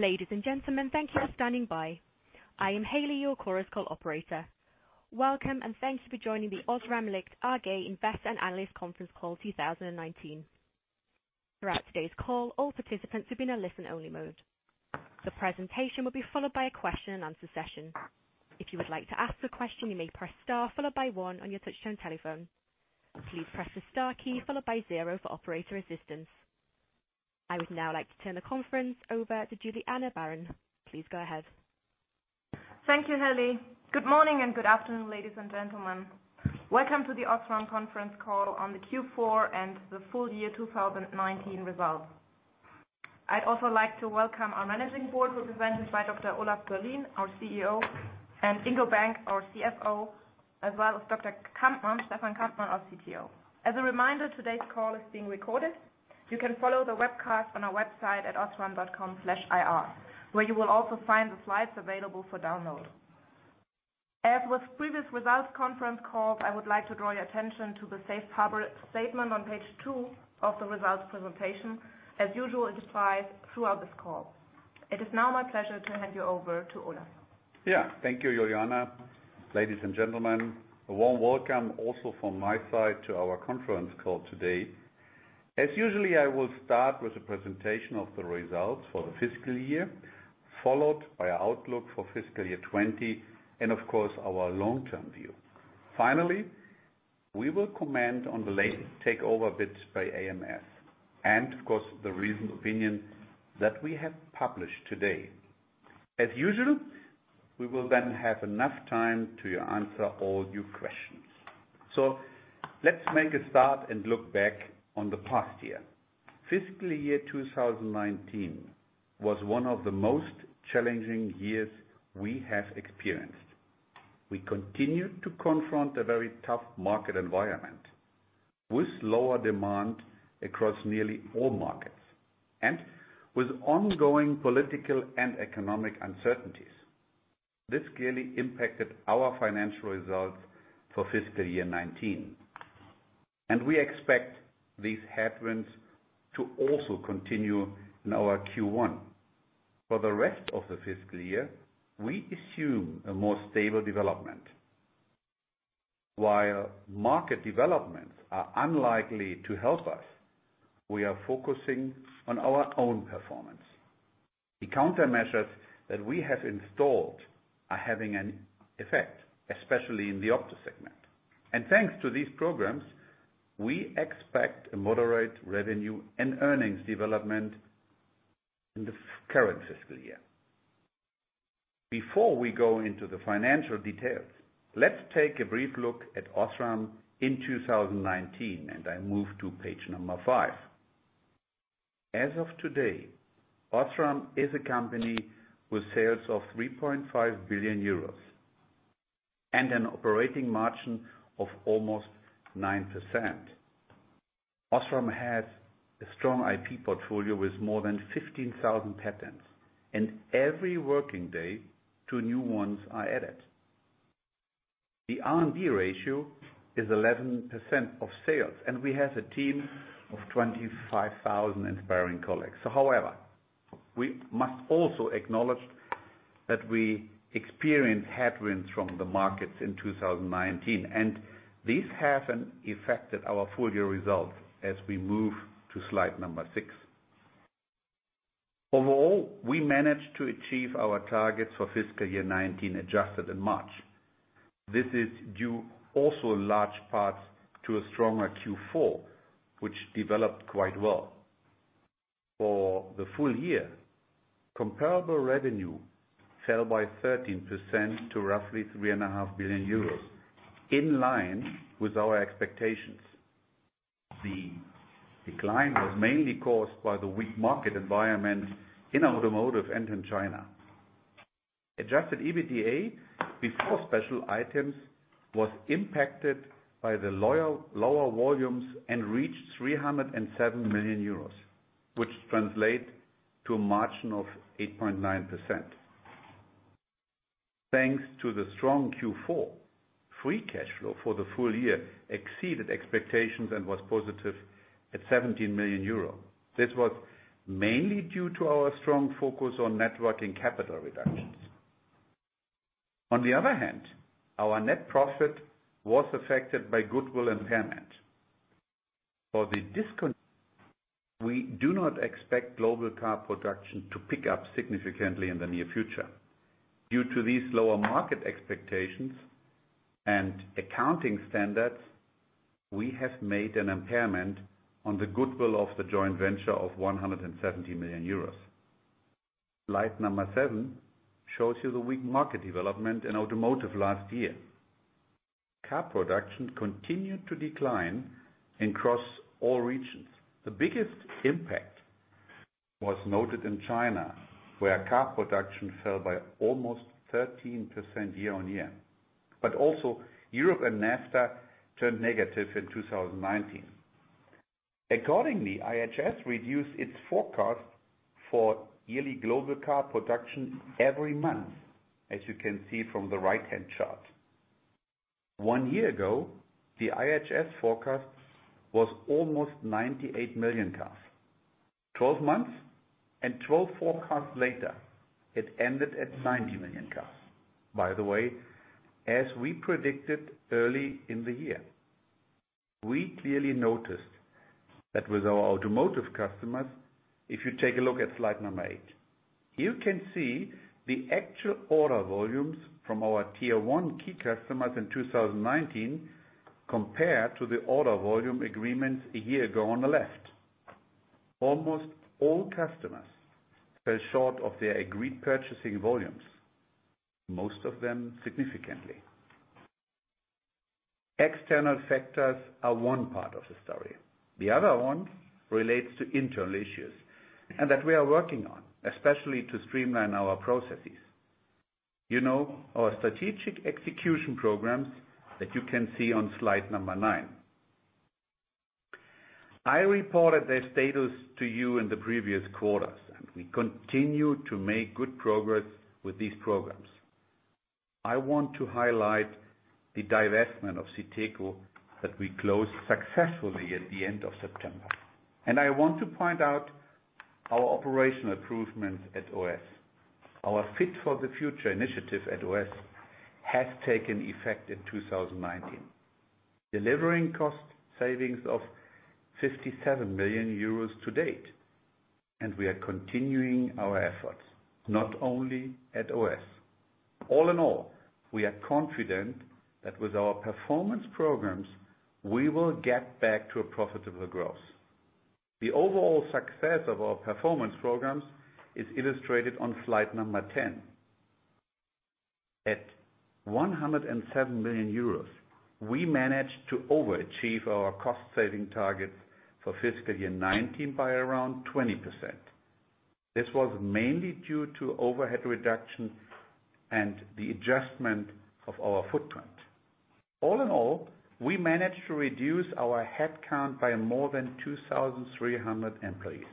Ladies and gentlemen, thank you for standing by. I am Hailey, your Chorus Call operator. Welcome, and thanks for joining the OSRAM Licht AG Investor and Analyst Conference Call 2019. Throughout today's call, all participants will be in a listen-only mode. The presentation will be followed by a question-and-answer session. If you would like to ask a question, you may press star followed by one on your touchtone telephone. Please press the star key followed by zero for operator assistance. I would now like to turn the conference over to Juliana Baron. Please go ahead. Thank you, Hailey. Good morning and good afternoon, ladies and gentlemen. Welcome to the OSRAM Conference Call on the Q4 and the Full-Year 2019 Results. I would also like to welcome our managing board represented by Dr. Olaf Berlien, our CEO, and Ingo Bank, our CFO, as well as Dr. Kampmann, Stefan Kampmann, our CTO. As a reminder, today's call is being recorded. You can follow the webcast on our website at osram.com/ir, where you will also find the slides available for download. As with previous results conference calls, I would like to draw your attention to the safe harbor statement on page two of the results presentation. As usual, it applies throughout this call. It is now my pleasure to hand you over to Olaf. Thank you, Juliana. Ladies and gentlemen, a warm welcome also from my side to our conference call today. As usual, I will start with a presentation of the results for the fiscal year, followed by outlook for fiscal year 2020, and of course, our long-term view. Finally, we will comment on the latest takeover bid by ams and of course, the recent opinion that we have published today. As usual, we will then have enough time to answer all your questions. Let's make a start and look back on the past year. Fiscal year 2019 was one of the most challenging years we have experienced. We continued to confront a very tough market environment with lower demand across nearly all markets and with ongoing political and economic uncertainties. This clearly impacted our financial results for fiscal year 2019, and we expect these headwinds to also continue in our Q1. For the rest of the fiscal year, we assume a more stable development. While market developments are unlikely to help us, we are focusing on our own performance. The countermeasures that we have installed are having an effect, especially in the Opto segment. Thanks to these programs, we expect a moderate revenue and earnings development in the current fiscal year. Before we go into the financial details, let's take a brief look at OSRAM in 2019, and I move to page number five. As of today, OSRAM is a company with sales of 3.5 billion euros and an operating margin of almost 9%. OSRAM has a strong IP portfolio with more than 15,000 patents, and every working day, two new ones are added. The R&D ratio is 11% of sales, and we have a team of 25,000 inspiring colleagues. However, we must also acknowledge that we experienced headwinds from the markets in 2019, and these have affected our full-year results as we move to slide number six. Overall, we managed to achieve our targets for fiscal year 2019 adjusted in March. This is due also in large parts to a stronger Q4, which developed quite well. For the full-year, comparable revenue fell by 13% to roughly three and a half billion euros, in line with our expectations. The decline was mainly caused by the weak market environment in automotive and in China. Adjusted EBITDA before special items was impacted by the lower volumes and reached 307 million euros, which translates to a margin of 8.9%. Thanks to the strong Q4, free cash flow for the full-year exceeded expectations and was positive at 17 million euro. This was mainly due to our strong focus on net working capital reductions. On the other hand, our net profit was affected by goodwill impairment. For the discount, we do not expect global car production to pick up significantly in the near future. Due to these lower market expectations and accounting standards, we have made an impairment on the goodwill of the joint venture of 170 million euros. Slide number seven shows you the weak market development in automotive last year. Car production continued to decline across all regions. The biggest impact was noted in China, where car production fell by almost 13% year-on-year. Also Europe and NAFTA turned negative in 2019. IHS reduced its forecast for yearly global car production every month, as you can see from the right-hand chart. One year ago, the IHS forecast was almost 98 million cars. 12 months and 12 forecasts later, it ended at 90 million cars. By the way, as we predicted early in the year. We clearly noticed that with our automotive customers, if you take a look at slide number eight, you can see the actual order volumes from our Tier 1 key customers in 2019 compared to the order volume agreements a year ago on the left. Almost all customers fell short of their agreed purchasing volumes, most of them significantly. External factors are one part of the story. The other one relates to internal issues and that we are working on, especially to streamline our processes. You know, our strategic execution programs that you can see on slide number nine. I reported their status to you in the previous quarters, and we continue to make good progress with these programs. I want to highlight the divestment of Siteco that we closed successfully at the end of September. I want to point out our operational improvements at OS. Our Fit for the Future initiative at OS has taken effect in 2019, delivering cost savings of 57 million euros to date. We are continuing our efforts, not only at OS. All in all, we are confident that with our performance programs, we will get back to a profitable growth. The overall success of our performance programs is illustrated on slide number 10. At 107 million euros, we managed to overachieve our cost-saving targets for fiscal year 2019 by around 20%. This was mainly due to overhead reduction and the adjustment of our footprint. All in all, we managed to reduce our headcount by more than 2,300 employees.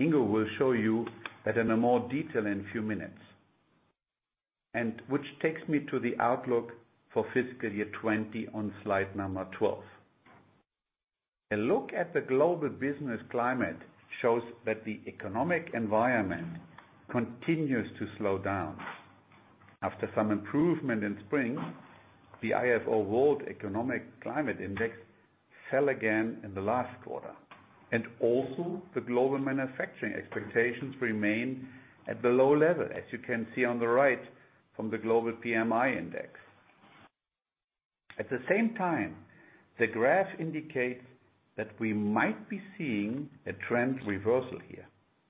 Ingo will show you that in more detail in a few minutes. Which takes me to the outlook for fiscal year 2020 on slide number 12. A look at the global business climate shows that the economic environment continues to slow down. After some improvement in spring, the ifo World Economic Climate Index fell again in the last quarter, and also the global manufacturing expectations remain at the low level, as you can see on the right from the global PMI index. At the same time, the graph indicates that we might be seeing a trend reversal here.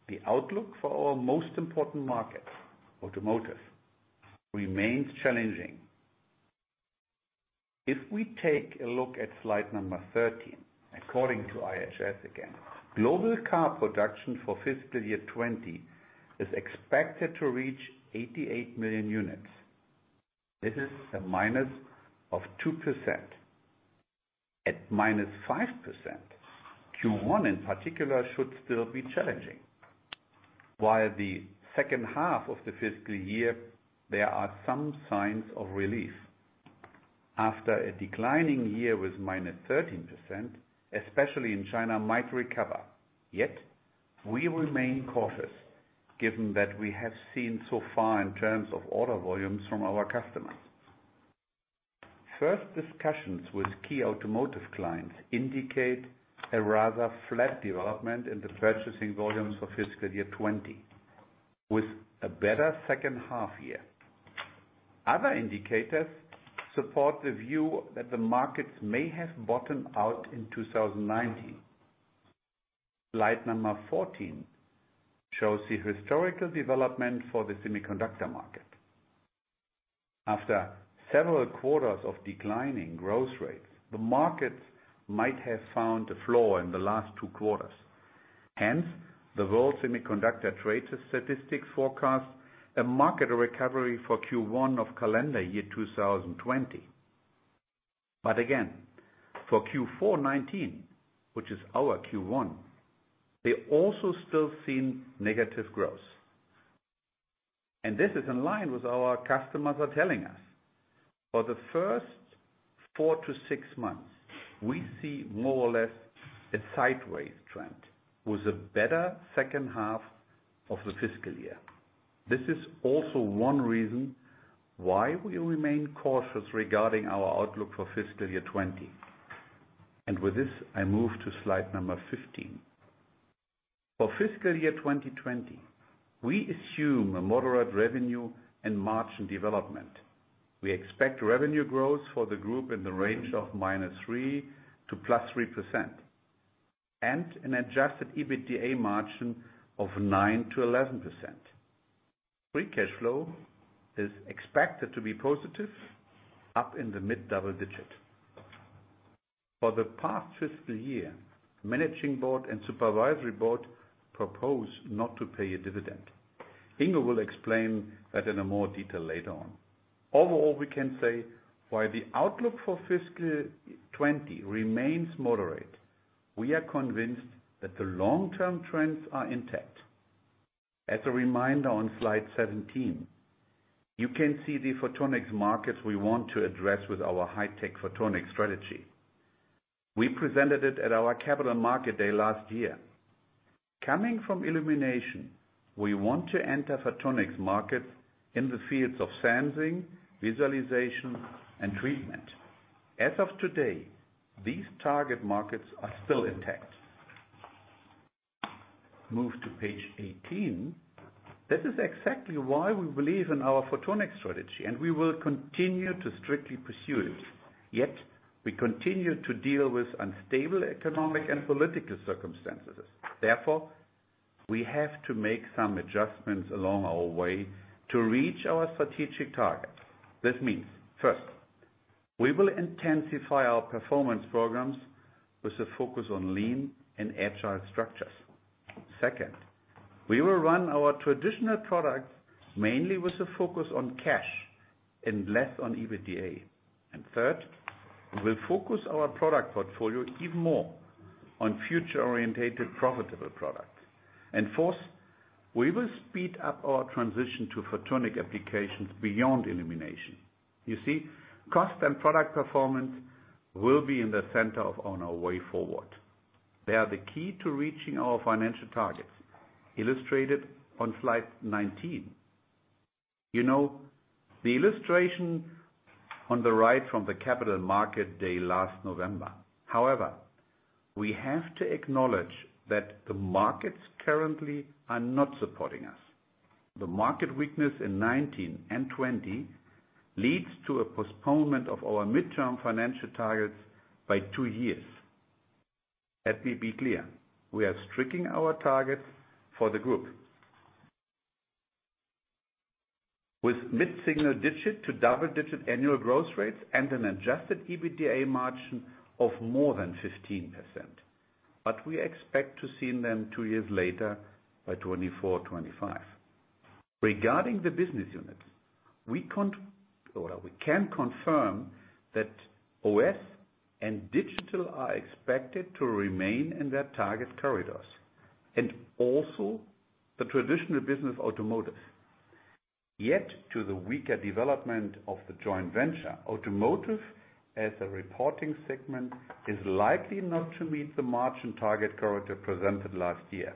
The outlook for our most important market, automotive, remains challenging. If we take a look at slide number 13, according to IHS again, global car production for fiscal year 2020 is expected to reach 88 million units. This is a -2%. At -5%, Q1 in particular should still be challenging. The second half of the fiscal year, there are some signs of relief. After a declining year with -13%, especially in China might recover. We remain cautious given that we have seen so far in terms of order volumes from our customers. First discussions with key automotive clients indicate a rather flat development in the purchasing volumes for fiscal year 2020, with a better second half year. Other indicators support the view that the markets may have bottomed out in 2019. Slide number 14 shows the historical development for the semiconductor market. After several quarters of declining growth rates, the markets might have found the floor in the last two quarters. The World Semiconductor Trade Statistics forecast a market recovery for Q1 of calendar year 2020. Again, for Q4 2019, which is our Q1, they also still seen negative growth. This is in line with what our customers are telling us. For the first four to six months, we see more or less a sideways trend, with a better second half of the fiscal year. This is also one reason why we remain cautious regarding our outlook for fiscal year 2020. With this, I move to slide number 15. For fiscal year 2020, we assume a moderate revenue and margin development. We expect revenue growth for the group in the range of -3% to +3%, and an adjusted EBITDA margin of 9% to 11%. Free cash flow is expected to be positive, up in the mid-double-digit. For the past fiscal year, the managing board and supervisory board propose not to pay a dividend. Ingo will explain that in more detail later on. Overall, we can say while the outlook for FY 2020 remains moderate, we are convinced that the long-term trends are intact. As a reminder on slide 17, you can see the photonics markets we want to address with our high tech photonics strategy. We presented it at our Capital Market Day last year. Coming from illumination, we want to enter photonics markets in the fields of sensing, visualization, and treatment. As of today, these target markets are still intact. Move to page 18. This is exactly why we believe in our photonics strategy, and we will continue to strictly pursue it. We continue to deal with unstable economic and political circumstances. We have to make some adjustments along our way to reach our strategic targets. This means, first, we will intensify our performance programs with a focus on lean and agile structures. Second, we will run our traditional products mainly with a focus on cash and less on EBITDA. Third, we'll focus our product portfolio even more on future-orientated profitable products. Fourth, we will speed up our transition to photonic applications beyond illumination. You see, cost and product performance will be in the center of our way forward. They are the key to reaching our financial targets, illustrated on slide 19. You know the illustration on the right from the Capital Market Day last November. However, we have to acknowledge that the markets currently are not supporting us. The market weakness in 2019 and 2020 leads to a postponement of our midterm financial targets by two years. Let me be clear, we are strict in our targets for the group. With mid-single digit to double-digit annual growth rates and an adjusted EBITDA margin of more than 15%. We expect to see them two years later by 2024, 2025. Regarding the business units, we can confirm that OS and Digital are expected to remain in their target corridors and also the traditional business Automotive. To the weaker development of the joint venture, Automotive as a reporting segment is likely not to meet the margin target corridor presented last year.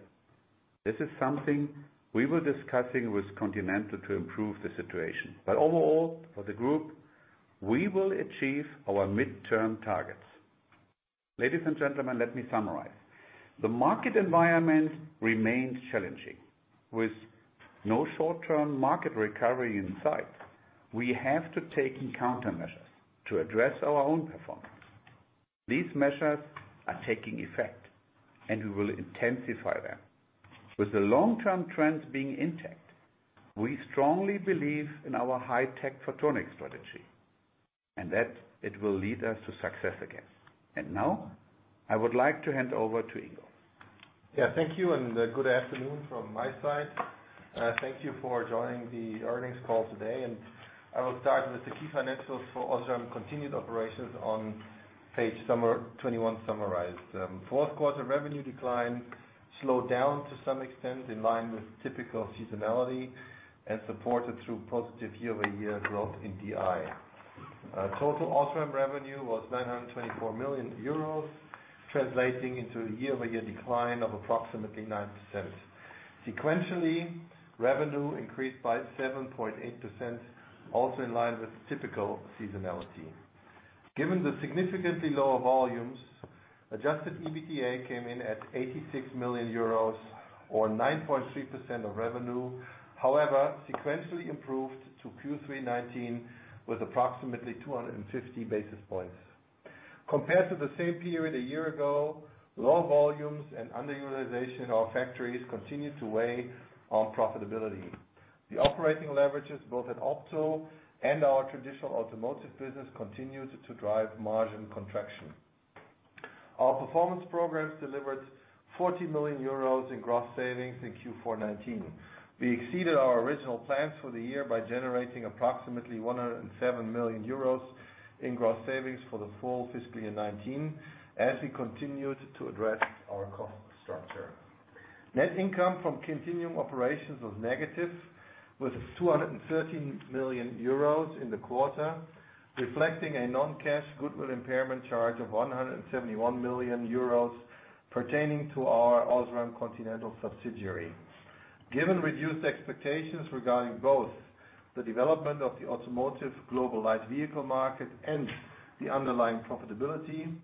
This is something we were discussing with Continental to improve the situation. Overall, for the group, we will achieve our midterm targets. Ladies and gentlemen, let me summarize. The market environment remains challenging. With no short-term market recovery in sight, we have to take countermeasures to address our own performance. These measures are taking effect, and we will intensify them. With the long-term trends being intact, we strongly believe in our high-tech photonics strategy, and that it will lead us to success again. Now, I would like to hand over to Ingo. Yeah. Thank you. Good afternoon from my side. Thank you for joining the earnings call today. I will start with the key financials for OSRAM continued operations on page 21 summarized. fourth quarter revenue decline slowed down to some extent, in line with typical seasonality and supported through positive year-over-year growth in DI. Total OSRAM revenue was 924 million euros, translating into a year-over-year decline of approximately 9%. Sequentially, revenue increased by 7.8%, also in line with typical seasonality. Given the significantly lower volumes, adjusted EBITDA came in at 86 million euros or 9.3% of revenue, however, sequentially improved to Q3 2019 with approximately 250 basis points. Compared to the same period a year ago, low volumes and underutilization of factories continued to weigh on profitability. The operating leverages both at Opto and our traditional automotive business continued to drive margin contraction. Our performance programs delivered 40 million euros in gross savings in Q4 2019. We exceeded our original plans for the year by generating approximately 107 million euros in gross savings for the full fiscal year 2019, as we continued to address our cost structure. Net income from continuing operations was negative with 213 million euros in the quarter, reflecting a non-cash goodwill impairment charge of 171 million euros pertaining to our OSRAM Continental subsidiary. Given reduced expectations regarding both the development of the automotive global light vehicle market and the underlying profitability,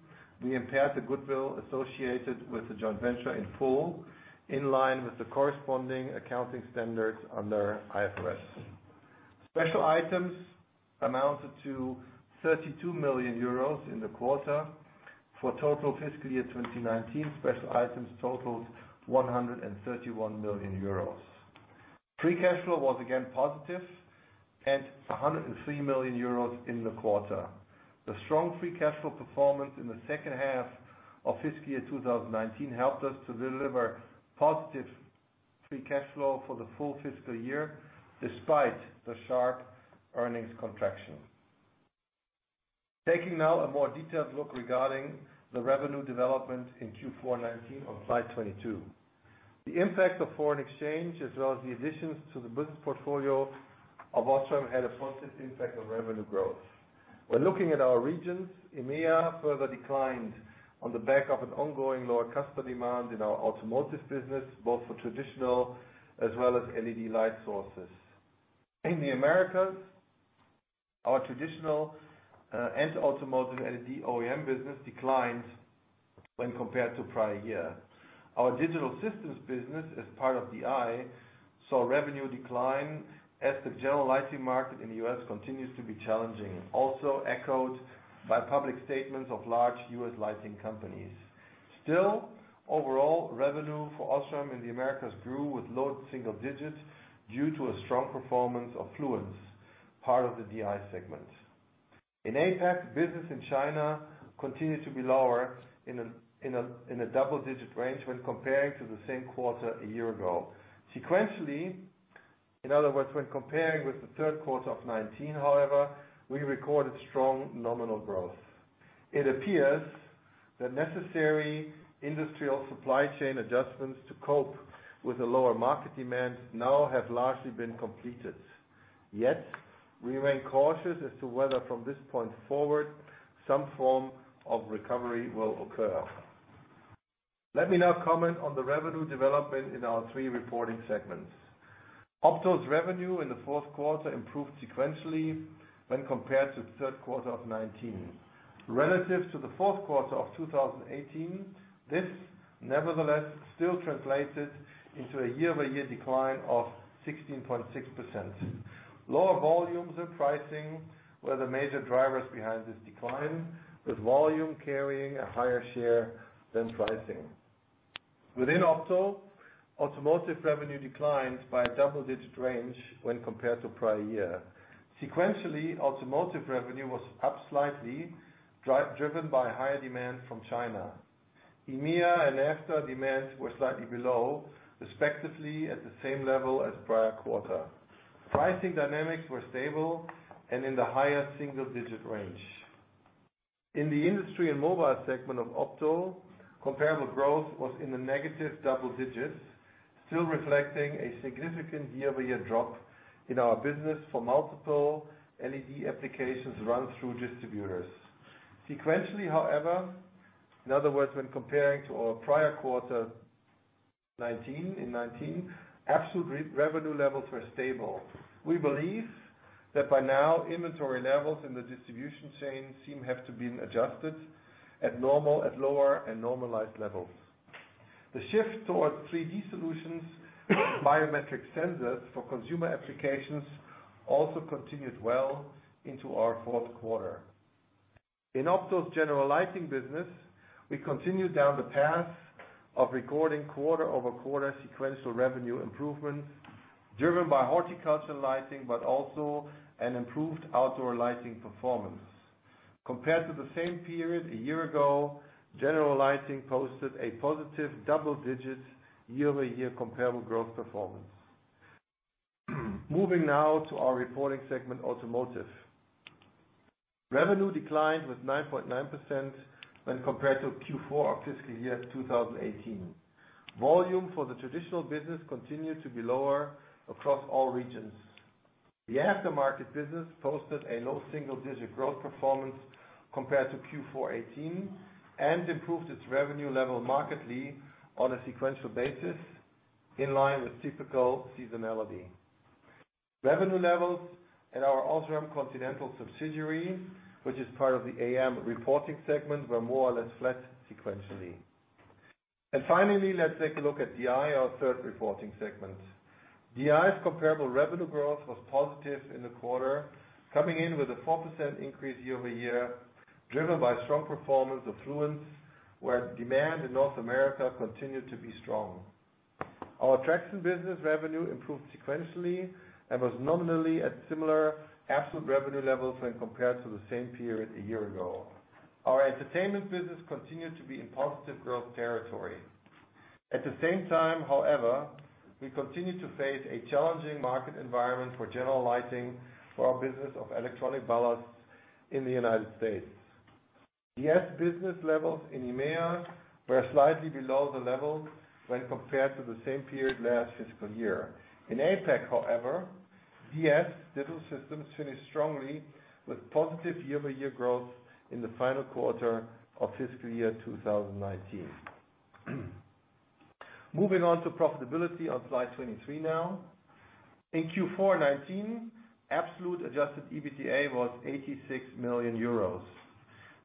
we impaired the goodwill associated with the joint venture in full, in line with the corresponding accounting standards under IFRS. Special items amounted to 32 million euros in the quarter. For total fiscal year 2019, special items totaled 131 million euros. Free cash flow was again positive and 103 million euros in the quarter. The strong free cash flow performance in the second half of FY 2019 helped us to deliver positive free cash flow for the full fiscal year, despite the sharp earnings contraction. Taking now a more detailed look regarding the revenue development in Q4 2019 on slide 22. The impact of foreign exchange as well as the additions to the business portfolio of OSRAM had a positive impact on revenue growth. When looking at our regions, EMEA further declined on the back of an ongoing lower customer demand in our automotive business, both for traditional as well as LED light sources. In the Americas, our traditional and automotive LED OEM business declined when compared to prior year. Our Digital Systems business, as part of DI, saw revenue decline as the general lighting market in the U.S. continues to be challenging, also echoed by public statements of large U.S. lighting companies. Still, overall revenue for OSRAM in the Americas grew with low single digits due to a strong performance of Fluence, part of the DI segment. In APAC, business in China continued to be lower in a double-digit range when comparing to the same quarter a year ago. Sequentially, in other words, when comparing with the third quarter of 2019, however, we recorded strong nominal growth. It appears that necessary industrial supply chain adjustments to cope with the lower market demand now have largely been completed. Yet, we remain cautious as to whether from this point forward, some form of recovery will occur. Let me now comment on the revenue development in our three reporting segments. Opto's revenue in the fourth quarter improved sequentially when compared to the third quarter of 2019. Relative to the fourth quarter of 2018, this nevertheless still translated into a year-over-year decline of 16.6%. Lower volumes and pricing were the major drivers behind this decline, with volume carrying a higher share than pricing. Within Opto, automotive revenue declined by a double-digit range when compared to prior year. Sequentially, automotive revenue was up slightly, driven by higher demand from China. EMEA and after demands were slightly below, respectively at the same level as the prior quarter. Pricing dynamics were stable and in the highest single-digit range. In the industry and mobile segment of Opto, comparable growth was in the negative double digits, still reflecting a significant year-over-year drop in our business for multiple LED applications run through distributors. Sequentially, however, in other words, when comparing to our prior quarter in 2019, absolute revenue levels were stable. We believe that by now inventory levels in the distribution chain seem have to been adjusted at lower and normalized levels. The shift towards 3D solutions biometric sensors for consumer applications also continued well into our fourth quarter. In Opto's general lighting business, we continued down the path of recording quarter-over-quarter sequential revenue improvements driven by horticultural lighting, but also an improved outdoor lighting performance. Compared to the same period a year ago, general lighting posted a positive double-digit year-over-year comparable growth performance. Moving now to our reporting segment, Automotive. Revenue declined with 9.9% when compared to Q4 of fiscal year 2018. Volume for the traditional business continued to be lower across all regions. The aftermarket business posted a low single-digit growth performance compared to Q4 2018 and improved its revenue level markedly on a sequential basis in line with typical seasonality. Revenue levels at our OSRAM Continental subsidiary, which is part of the AM reporting segment, were more or less flat sequentially. Finally, let's take a look at DI, our third reporting segment. DI's comparable revenue growth was positive in the quarter, coming in with a 4% increase year-over-year, driven by strong performance of Fluence, where demand in North America continued to be strong. Our Traxon business revenue improved sequentially and was nominally at similar absolute revenue levels when compared to the same period a year ago. Our entertainment business continued to be in positive growth territory. At the same time, however, we continue to face a challenging market environment for general lighting for our business of electronic ballasts in the United States. DS business levels in EMEA were slightly below the levels when compared to the same period last fiscal year. In APAC, however, DS Digital Systems finished strongly with positive year-over-year growth in the final quarter of fiscal year 2019. Moving on to profitability on slide 23 now. In Q4 2019, absolute adjusted EBITDA was 86 million euros,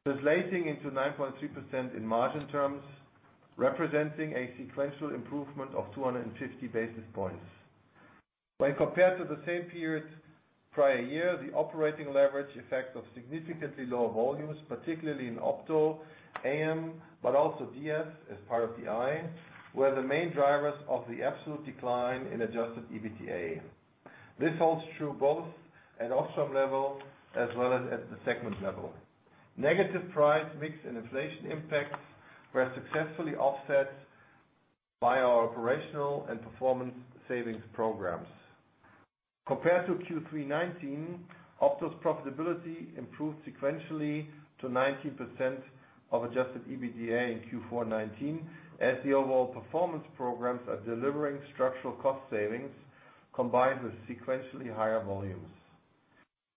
translating into 9.3% in margin terms, representing a sequential improvement of 250 basis points. When compared to the same period prior year, the operating leverage effect of significantly lower volumes, particularly in Opto, AM, but also DS as part of DI, were the main drivers of the absolute decline in adjusted EBITDA. This holds true both at OSRAM level as well as at the segment level. Negative price mix and inflation impacts were successfully offset by our operational and performance savings programs. Compared to Q3 2019, Opto's profitability improved sequentially to 19% of adjusted EBITDA in Q4 2019, as the overall performance programs are delivering structural cost savings, combined with sequentially higher volumes.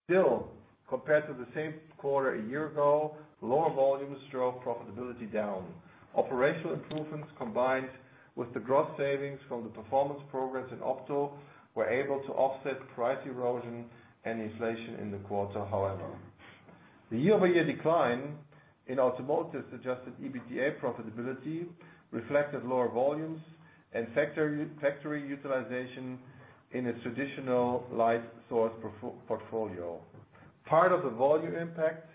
Still, compared to the same quarter a year ago, lower volumes drove profitability down. Operational improvements, combined with the gross savings from the performance programs in Opto, were able to offset price erosion and inflation in the quarter, however. The year-over-year decline in Automotive's adjusted EBITDA profitability reflected lower volumes and factory utilization in its traditional light source portfolio. Part of the volume impact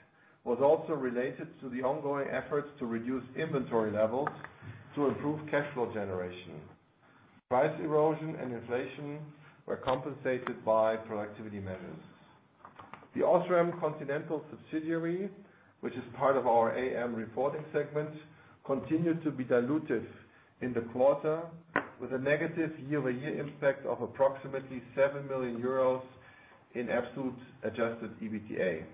was also related to the ongoing efforts to reduce inventory levels to improve cash flow generation. Price erosion and inflation were compensated by productivity measures. The OSRAM Continental subsidiary, which is part of our AM reporting segment, continued to be diluted in the quarter with a negative year-over-year impact of approximately 7 million euros in absolute adjusted EBITDA.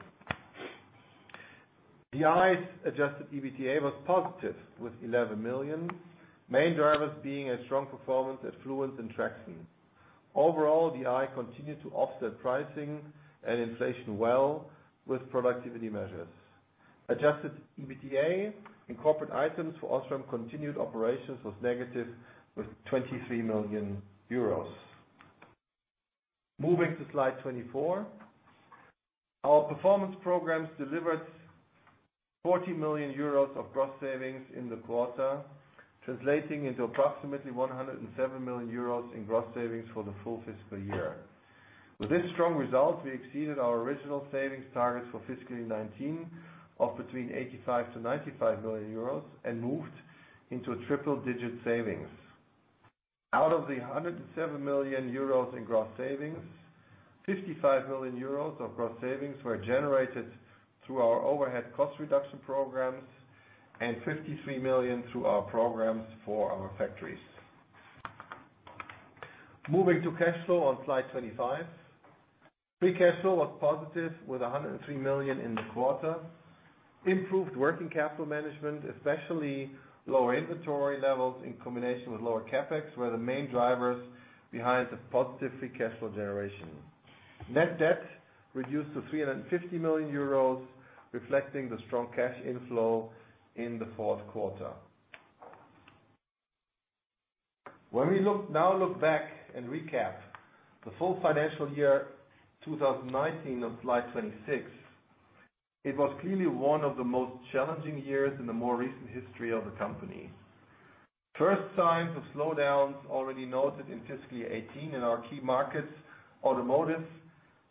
DI's adjusted EBITDA was positive with 11 million, main drivers being a strong performance at Fluence and Traxon. Overall, DI continued to offset pricing and inflation well with productivity measures. Adjusted EBITDA and corporate items for OSRAM continued operations was negative with 23 million euros. Moving to slide 24. Our performance programs delivered 40 million euros of gross savings in the quarter, translating into approximately 107 million euros in gross savings for the full fiscal year. With this strong result, we exceeded our original savings targets for FY 2019 of between 85 million-95 million euros and moved into triple-digit savings. Out of the 107 million euros in gross savings, 55 million euros of gross savings were generated through our overhead cost reduction programs and 53 million through our programs for our factories. Moving to cash flow on slide 25. Free cash flow was positive with 103 million in the quarter. Improved working capital management, especially lower inventory levels in combination with lower CapEx, were the main drivers behind the positive free cash flow generation. Net debt reduced to 350 million euros, reflecting the strong cash inflow in the fourth quarter. When we now look back and recap the full financial year 2019 on slide 26, it was clearly one of the most challenging years in the more recent history of the company. First signs of slowdowns already noted in fiscal 2018 in our key markets, Automotive,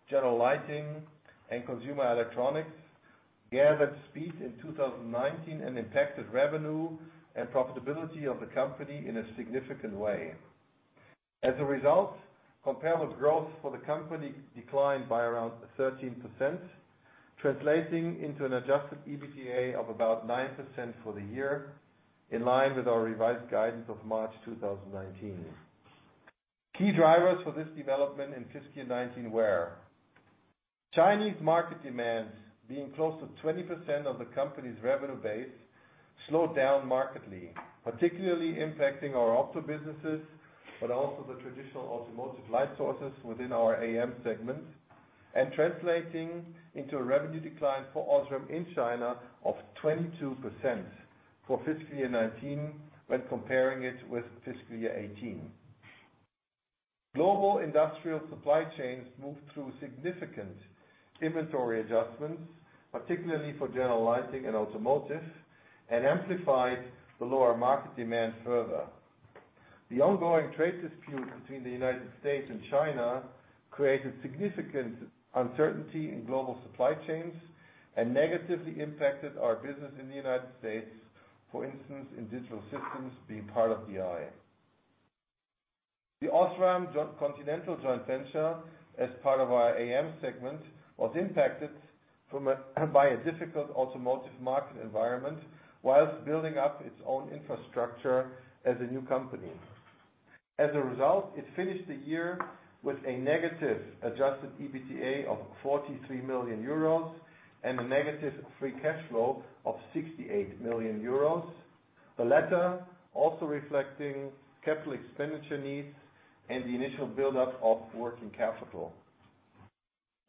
General Lighting, and Consumer Electronics, gathered speed in 2019 and impacted revenue and profitability of the company in a significant way. As a result, comparable growth for the company declined by around 13%, translating into an adjusted EBITDA of about 9% for the year, in line with our revised guidance of March 2019. Key drivers for this development in fiscal 2019 were Chinese market demands, being close to 20% of the company's revenue base, slowed down markedly, particularly impacting our Opto businesses, but also the traditional Automotive light sources within our AM segment, and translating into a revenue decline for OSRAM in China of 22% for fiscal year 2019 when comparing it with fiscal year 2018. Global industrial supply chains moved through significant inventory adjustments, particularly for General Lighting and Automotive, and amplified the lower market demand further. The ongoing trade dispute between the United States and China created significant uncertainty in global supply chains and negatively impacted our business in the United States, for instance, in Digital Systems being part of DI. The OSRAM Continental joint venture, as part of our AM segment, was impacted by a difficult automotive market environment whilst building up its own infrastructure as a new company. As a result, it finished the year with a negative adjusted EBITDA of 43 million euros and a negative free cash flow of 68 million euros. The latter also reflecting capital expenditure needs and the initial buildup of working capital.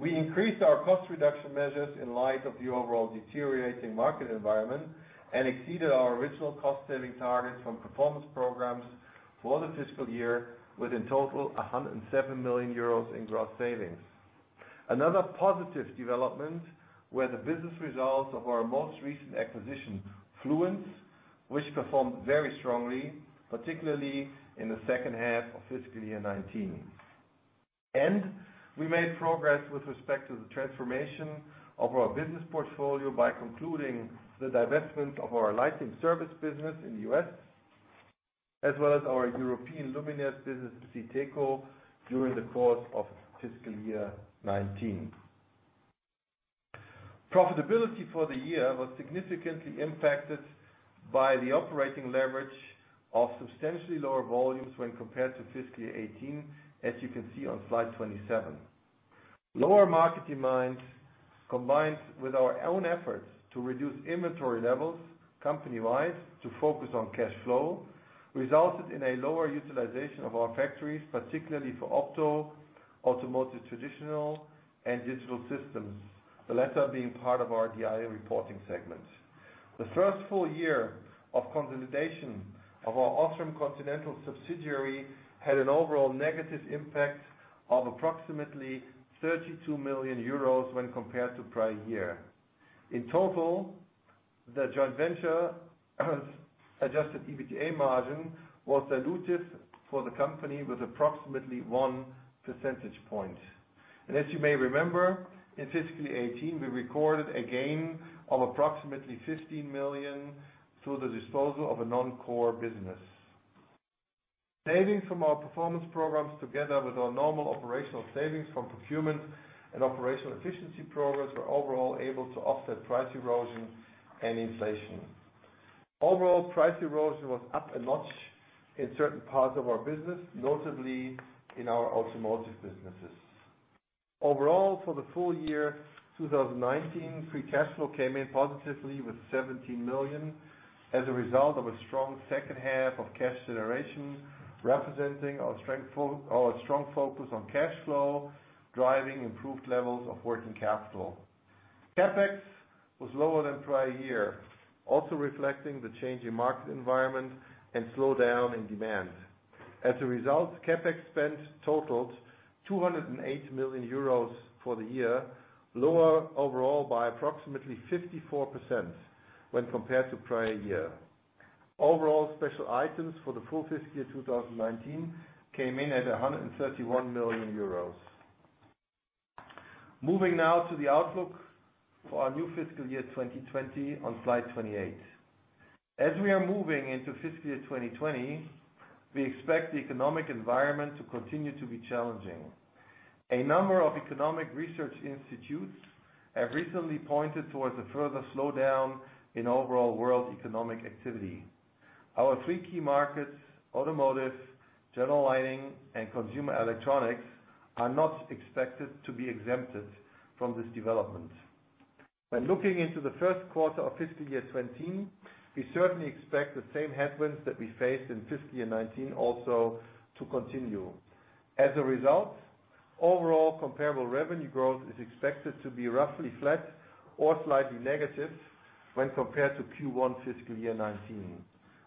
We increased our cost reduction measures in light of the overall deteriorating market environment and exceeded our original cost-saving targets from performance programs for the fiscal year with in total 107 million euros in gross savings. Another positive development were the business results of our most recent acquisition, Fluence, which performed very strongly, particularly in the second half of fiscal year 2019. We made progress with respect to the transformation of our business portfolio by concluding the divestment of our lighting service business in the U.S. as well as our European luminaire business, Siteco, during the course of fiscal year 2019. Profitability for the year was significantly impacted by the operating leverage of substantially lower volumes when compared to fiscal year 2018, as you can see on slide 27. Lower market demand, combined with our own efforts to reduce inventory levels company-wide to focus on cash flow, resulted in a lower utilization of our factories, particularly for Opto, Automotive Traditional, and Digital Systems, the latter being part of our DI reporting segment. The first full-year of consolidation of our OSRAM Continental subsidiary had an overall negative impact of approximately 32 million euros when compared to prior year. In total, the joint venture adjusted EBITA margin was dilutive for the company with approximately one percentage point. As you may remember, in fiscal year 2018, we recorded a gain of approximately 15 million through the disposal of a non-core business. Savings from our performance programs, together with our normal operational savings from procurement and operational efficiency progress, were overall able to offset price erosion and inflation. Price erosion was up a notch in certain parts of our business, notably in our automotive businesses. For the full-year 2019, free cash flow came in positively with 17 million as a result of a strong second half of cash generation, representing our strong focus on cash flow driving improved levels of working capital. CapEx was lower than prior year, also reflecting the change in market environment and slowdown in demand. CapEx spend totaled 208 million euros for the year, lower overall by approximately 54% when compared to prior year. Special items for the full fiscal year 2019 came in at 131 million euros. Moving now to the outlook for our new fiscal year 2020 on slide 28. As we are moving into fiscal year 2020, we expect the economic environment to continue to be challenging. A number of economic research institutes have recently pointed towards a further slowdown in overall world economic activity. Our three key markets, automotive, general lighting, and consumer electronics, are not expected to be exempted from this development. When looking into the first quarter of fiscal year 2020, we certainly expect the same headwinds that we faced in fiscal year 2019 also to continue. As a result, overall comparable revenue growth is expected to be roughly flat or slightly negative when compared to Q1 fiscal year 2019.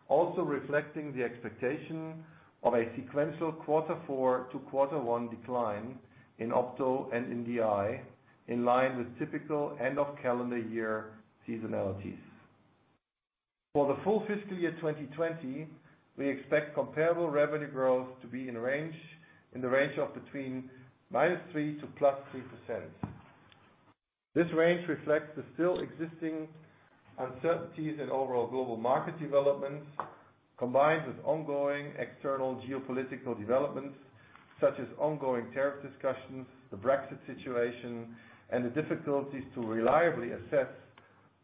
Also reflecting the expectation of a sequential quarter four to quarter one decline in Opto and in DI, in line with typical end of calendar year seasonalities. For the full fiscal year 2020, we expect comparable revenue growth to be in the range of between -3% to +3%. This range reflects the still existing uncertainties in overall global market developments, combined with ongoing external geopolitical developments, such as ongoing tariff discussions, the Brexit situation, and the difficulties to reliably assess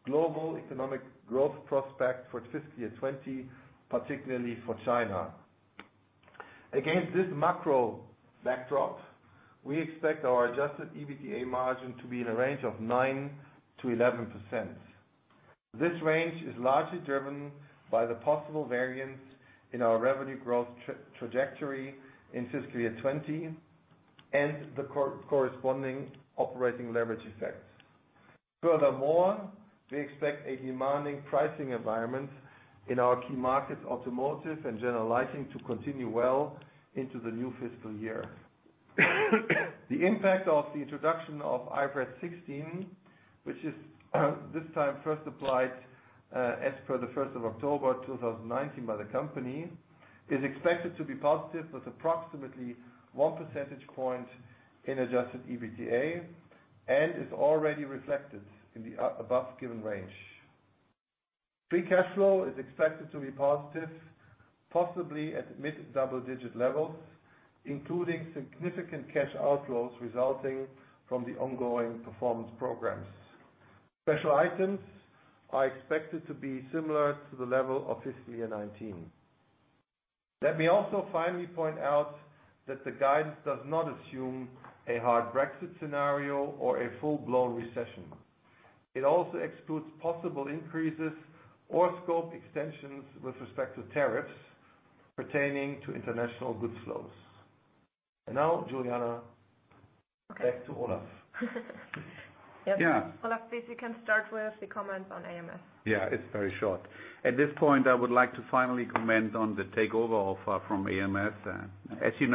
global economic growth prospects for fiscal year 2020, particularly for China. Against this macro backdrop, we expect our adjusted EBITA margin to be in a range of 9%-11%. This range is largely driven by the possible variance in our revenue growth trajectory in fiscal year 2020 and the corresponding operating leverage effects. Furthermore, we expect a demanding pricing environment in our key markets, automotive and general lighting, to continue well into the new fiscal year. The impact of the introduction of IFRS 16, which is this time first applied as per the 1st of October 2019 by the company, is expected to be positive with approximately one percentage point in adjusted EBITA and is already reflected in the above given range. Free cash flow is expected to be positive, possibly at mid-double-digit levels, including significant cash outflows resulting from the ongoing performance programs. Special items are expected to be similar to the level of fiscal year 2019. Let me also finally point out that the guidance does not assume a hard Brexit scenario or a full-blown recession. It also excludes possible increases or scope extensions with respect to tariffs pertaining to international goods flows. Now, Juliana, back to Olaf. Yep. Yeah. Olaf, please, you can start with the comment on ams. Yeah, it's very short. At this point, I would like to finally comment on the takeover offer from ams. As you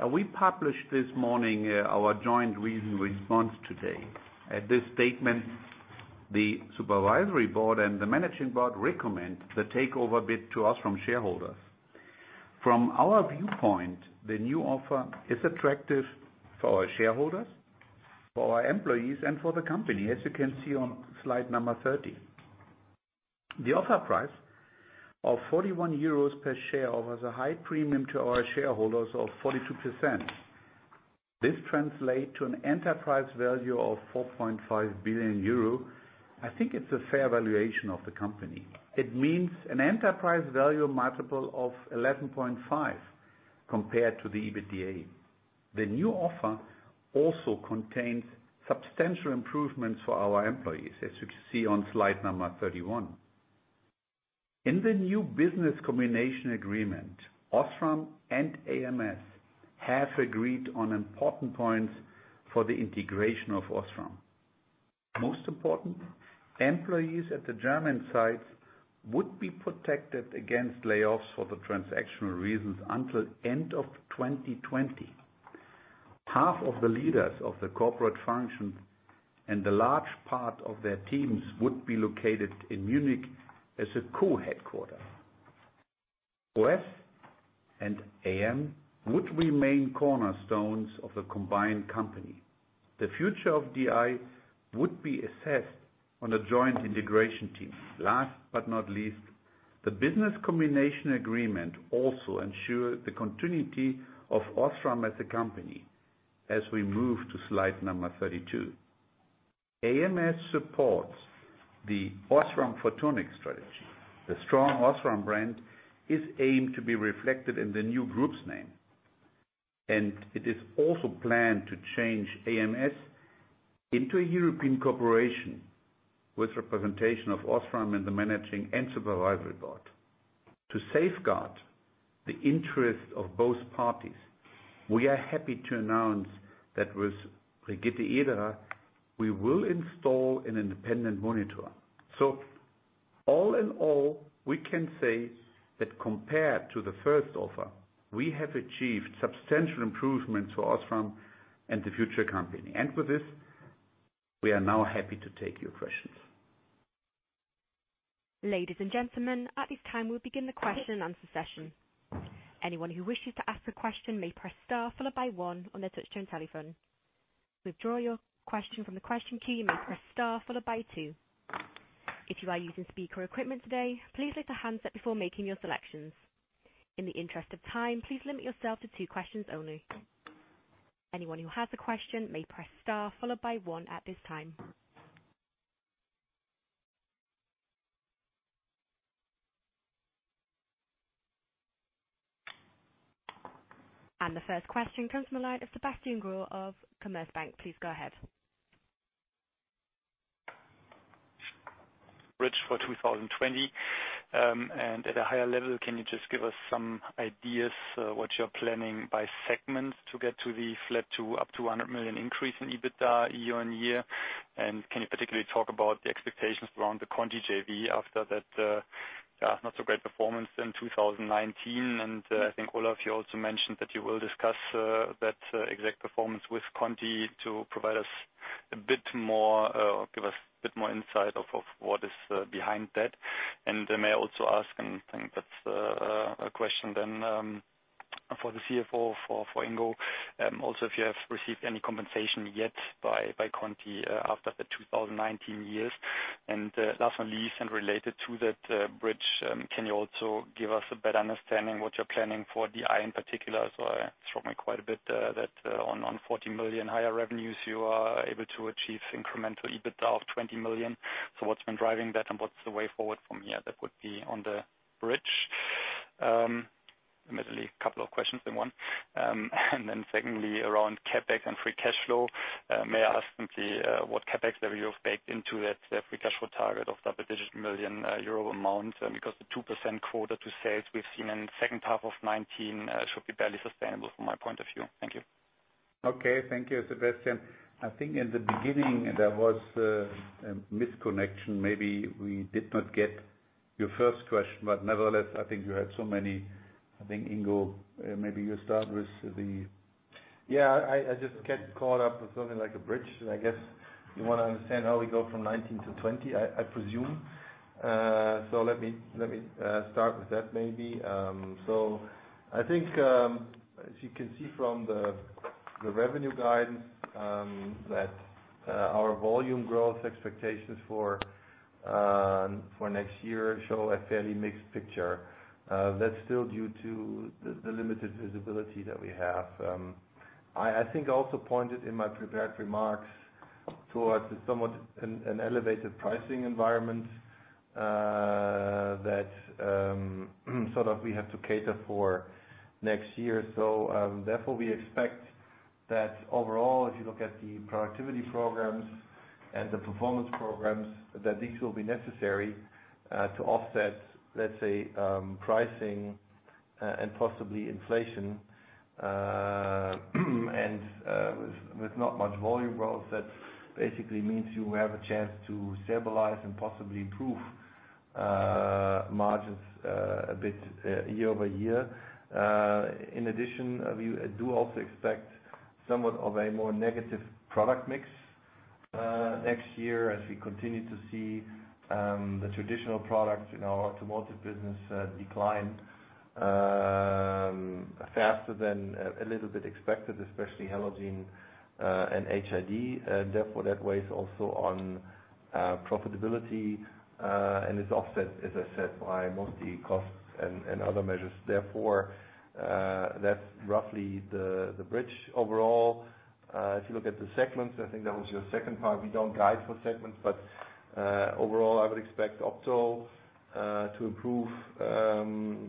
know, we published this morning our joint recent response today. At this statement, the supervisory board and the managing board recommend the takeover bid to us from shareholders. From our viewpoint, the new offer is attractive for our shareholders, for our employees, and for the company, as you can see on slide number 30. The offer price of 41 euros per share offers a high premium to our shareholders of 42%. This translates to an enterprise value of 4.5 billion euro. I think it's a fair valuation of the company. It means an enterprise value multiple of 11.5 compared to the EBITDA. The new offer also contains substantial improvements for our employees, as you can see on slide number 31. In the new business combination agreement, OSRAM and ams have agreed on important points for the integration of OSRAM. Most important, employees at the German sites would be protected against layoffs for the transactional reasons until end of 2020. Half of the leaders of the corporate function and a large part of their teams would be located in Munich as a co-headquarter. OS and AM would remain cornerstones of the combined company. The future of DI would be assessed on a joint integration team. Last but not least, the business combination agreement also ensures the continuity of OSRAM as a company. As we move to slide number 32. ams supports the OSRAM photonics strategy. The strong OSRAM brand is aimed to be reflected in the new group's name, and it is also planned to change ams into a European corporation with representation of OSRAM and the managing and supervisory board. To safeguard the interest of both parties, we are happy to announce that with Brigitte Ederer, we will install an independent monitor. All in all, we can say that compared to the first offer, we have achieved substantial improvements for OSRAM and the future company. With this, we are now happy to take your questions. Ladies and gentlemen, at this time, we'll begin the question-and-answer session. Anyone who wishes to ask a question may press star followed by one on their touchtone telephone. To withdraw your question from the question queue, you may press star followed by two. If you are using speaker equipment today, please lift the handset before making your selections. In the interest of time, please limit yourself to two questions only. Anyone who has a question may press star followed by one at this time. The first question comes from the line of Sebastian Growe of Commerzbank. Please go ahead. Bridge for 2020. At a higher level, can you just give us some ideas what you're planning by segment to get to the flat to up to 100 million increase in EBITDA year-on-year? Can you particularly talk about the expectations around the Conti JV after that not so great performance in 2019? I think, Olaf, you also mentioned that you will discuss that exact performance with Conti to provide us a bit more insight of what is behind that. May I also ask, I think that's a question then for the CFO, for Ingo, also if you have received any compensation yet by Conti after the 2019 years. Last but least, and related to that bridge, can you also give us a better understanding what you're planning for DI in particular? It struck me quite a bit that on 40 million higher revenues, you are able to achieve incremental EBITDA of 20 million. What's been driving that and what's the way forward from here? That would be on the bridge. Admittedly, a couple of questions in one. Then secondly, around CapEx and free cash flow. May I ask simply what CapEx that you have baked into that free cash flow target of double-digit million EUR amount? Because the 2% quarter-to-sales we've seen in the second half of 2019 should be barely sustainable from my point of view. Thank you. Okay. Thank you, Sebastian. I think in the beginning there was a misconnection. Nevertheless, I think you had so many. I think Ingo, maybe you start with the Yeah. I just get caught up with something like a bridge, and I guess you want to understand how we go from 2019 to 2020, I presume. Let me start with that, maybe. I think, as you can see from the revenue guidance, that our volume growth expectations for next year show a fairly mixed picture. That's still due to the limited visibility that we have. I think I also pointed in my prepared remarks towards somewhat an elevated pricing environment that we have to cater for next year. Therefore, we expect that overall, if you look at the productivity programs and the performance programs, that these will be necessary to offset, let's say, pricing and possibly inflation. With not much volume growth, that basically means you have a chance to stabilize and possibly improve margins a bit year-over-year. In addition, we do also expect somewhat of a more negative product mix next year, as we continue to see the traditional products in our automotive business decline faster than a little bit expected, especially halogen and HID, and therefore that weighs also on profitability and is offset, as I said, by mostly costs and other measures. That's roughly the bridge overall. If you look at the segments, I think that was your second part. We don't guide for segments, but overall, I would expect Opto to improve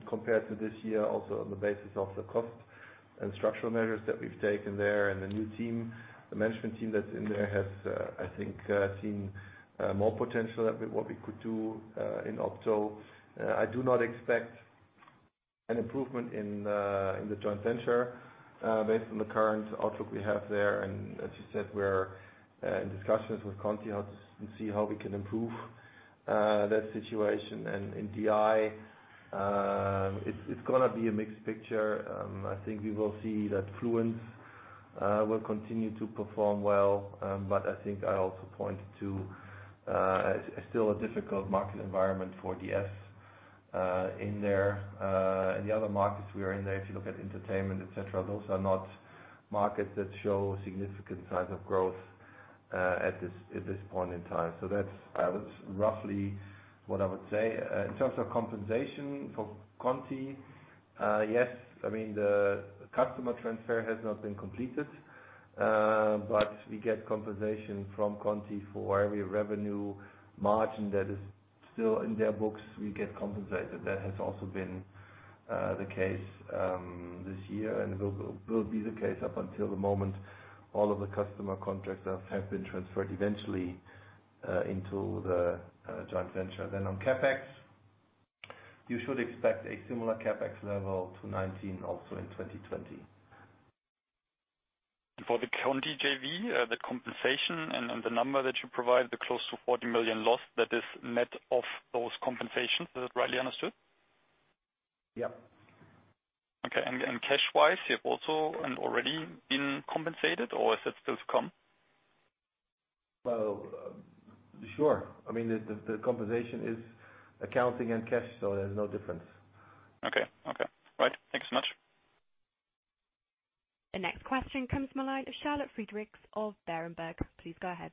compared to this year, also on the basis of the cost and structural measures that we've taken there and the new team, the management team that's in there has, I think, seen more potential what we could do in Opto. I do not expect an improvement in the joint venture based on the current outlook we have there. As you said, we're in discussions with Conti and see how we can improve that situation. In DI, it's going to be a mixed picture. I think we will see that Fluence will continue to perform well. I think I also pointed to still a difficult market environment for DI in there. The other markets we are in there, if you look at entertainment, et cetera, those are not markets that show significant signs of growth at this point in time. That's roughly what I would say. In terms of compensation for Conti. Yes. The customer transfer has not been completed. We get compensation from Conti for every revenue margin that is still in their books, we get compensated. That has also been the case this year and will be the case up until the moment all of the customer contracts have been transferred eventually into the joint venture. On CapEx, you should expect a similar CapEx level to 2019, also in 2020. For the Conti JV, the compensation and the number that you provide, the close to 40 million loss that is net of those compensations. Is it rightly understood? Yep. Okay. Cash-wise, you have also and already been compensated or has it still to come? Well, sure. The compensation is accounting and cash, so there's no difference. Okay. Right. Thanks so much. The next question comes from the line of Charlotte Friedrichs of Berenberg. Please go ahead.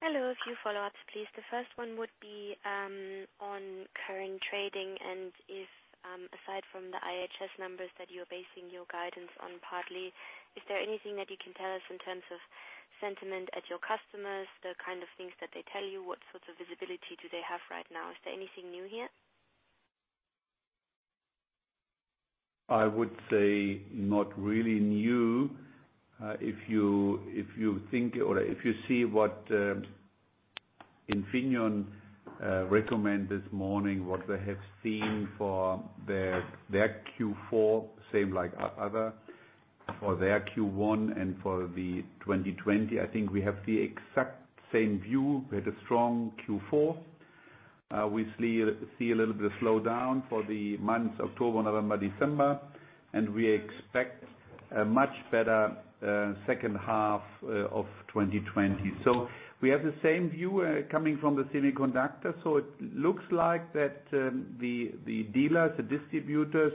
Hello. A few follow-ups, please. The first one would be on current trading and if, aside from the IHS numbers that you're basing your guidance on partly, is there anything that you can tell us in terms of sentiment at your customers, the kind of things that they tell you? What sorts of visibility do they have right now? Is there anything new here? I would say not really new. If you see what Infineon reported this morning, what they have seen for their Q4, same like other. For their Q1 and for the 2020, I think we have the exact same view. We had a strong Q4. We see a little bit of slowdown for the months October, November, December, and we expect a much better second half of 2020. We have the same view coming from the semiconductor. It looks like that the dealers, the distributors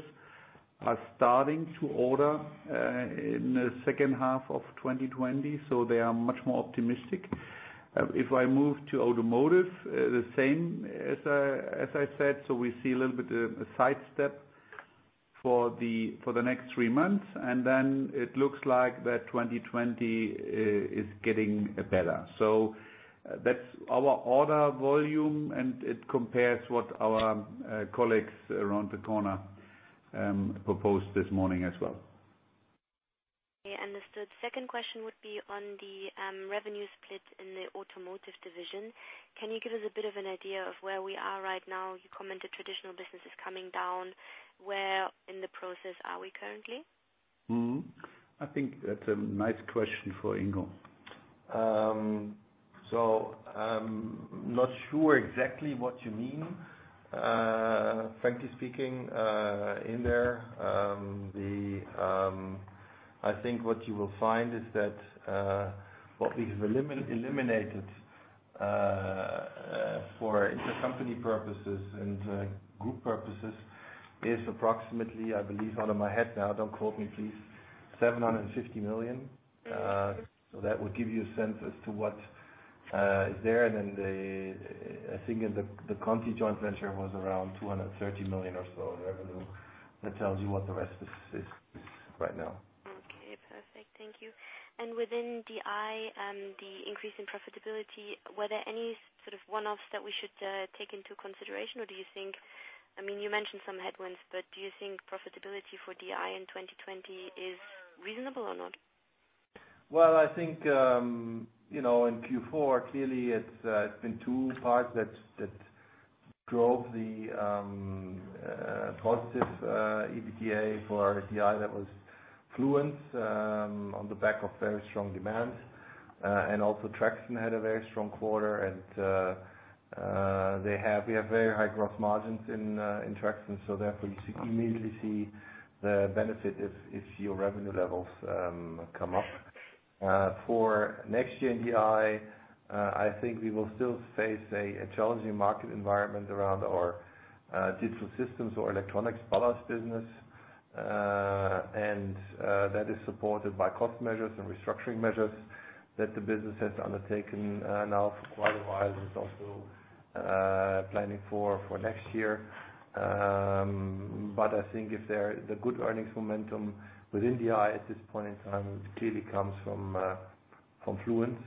are starting to order in the second half of 2020, so they are much more optimistic. If I move to automotive, the same as I said. We see a little bit of a sidestep for the next three months, and then it looks like that 2020 is getting better. That's our order volume, and it compares what our colleagues around the corner proposed this morning as well. Okay, understood. Second question would be on the revenue split in the Automotive division. Can you give us a bit of an idea of where we are right now? You commented traditional business is coming down. Where in the process are we currently? I think that's a nice question for Ingo. I'm not sure exactly what you mean. Frankly speaking, in there, I think what you will find is that what we've eliminated for intercompany purposes and group purposes is approximately, I believe out of my head now, don't quote me please, 750 million. That would give you a sense as to what is there. Then I think the Conti joint venture was around 230 million or so in revenue. That tells you what the rest is right now. Okay, perfect. Thank you. Within DI, the increase in profitability, were there any sort of one-offs that we should take into consideration? You mentioned some headwinds, do you think profitability for DI in 2020 is reasonable or not? Well, I think, in Q4, clearly it's been two parts that drove the positive EBITDA for DI. That was Fluence on the back of very strong demand. Also Traxon had a very strong quarter, and we have very high gross margins in Traxon, therefore you immediately see the benefit if your revenue levels come up. For next year, DI, I think we will still face a challenging market environment around our digital systems or electronic ballasts business. That is supported by cost measures and restructuring measures that the business has undertaken now for quite a while, and is also planning for next year. I think the good earnings momentum within DI at this point in time, clearly comes from Fluence.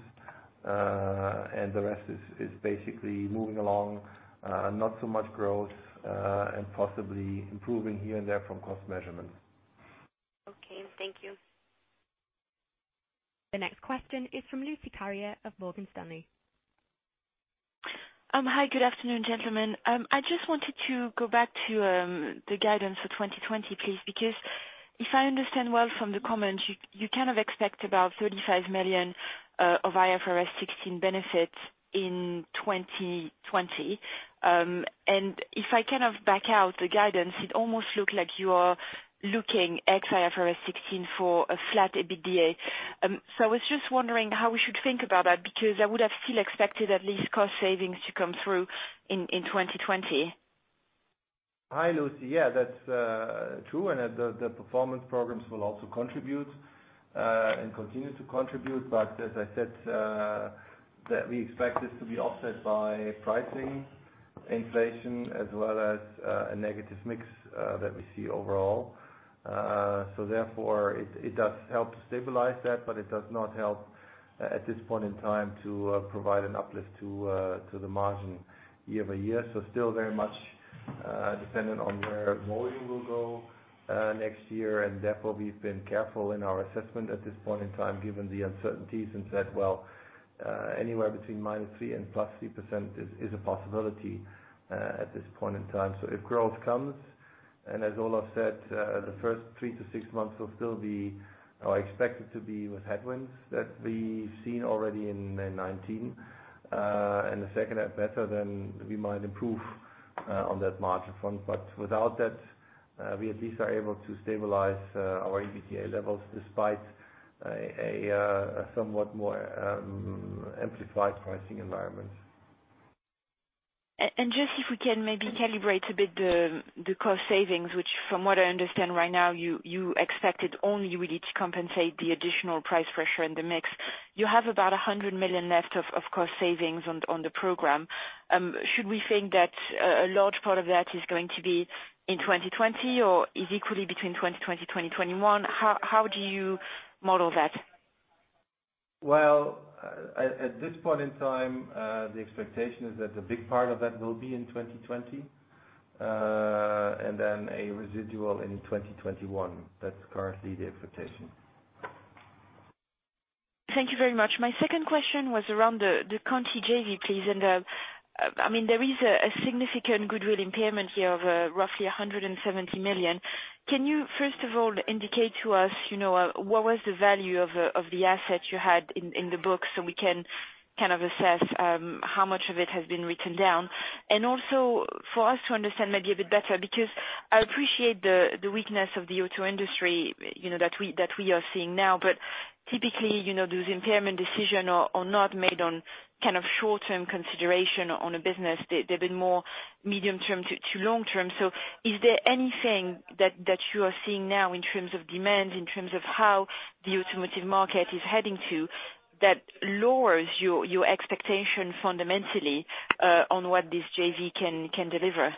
The rest is basically moving along, not so much growth, and possibly improving here and there from cost measurement. Okay, thank you. The next question is from Lucie Carrier of Morgan Stanley. Hi, good afternoon, gentlemen. I just wanted to go back to the guidance for 2020, please, because if I understand well from the comments, you kind of expect about 35 million of IFRS 16 benefits in 2020. If I back out the guidance, it almost look like you are looking ex IFRS 16 for a flat EBITDA. I was just wondering how we should think about that, because I would have still expected at least cost savings to come through in 2020. Hi, Lucie. Yeah, that's true, and the performance programs will also contribute and continue to contribute, but as I said, that we expect this to be offset by pricing, inflation, as well as a negative mix that we see overall. Therefore, it does help to stabilize that, but it does not help at this point in time to provide an uplift to the margin year-over-year. Still very much dependent on where volume will go next year. Therefore, we've been careful in our assessment at this point in time, given the uncertainties and said, well, anywhere between -3% and +3% is a possibility at this point in time. If growth comes, and as Olaf said, the first three to six months will still be, or expected to be with headwinds that we've seen already in 2019. The second half better than we might improve on that margin front. Without that, we at least are able to stabilize our EBITDA levels despite a somewhat more amplified pricing environment. Just if we can maybe calibrate a bit the cost savings, which from what I understand right now, you expected only really to compensate the additional price pressure in the mix. You have about 100 million left of cost savings on the program. Should we think that a large part of that is going to be in 2020 or is equally between 2020, 2021? How do you model that? Well, at this point in time, the expectation is that a big part of that will be in 2020. Then a residual in 2021. That's currently the expectation. Thank you very much. My second question was around the Conti JV, please. There is a significant goodwill impairment here of roughly 170 million. Can you first of all indicate to us, what was the value of the assets you had in the books so we can assess how much of it has been written down? Also for us to understand maybe a bit better, because I appreciate the weakness of the auto industry, that we are seeing now. Typically, those impairment decision are not made on short-term consideration on a business. They've been more medium-term to long-term. Is there anything that you are seeing now in terms of demand, in terms of how the automotive market is heading to, that lowers your expectation fundamentally, on what this JV can deliver?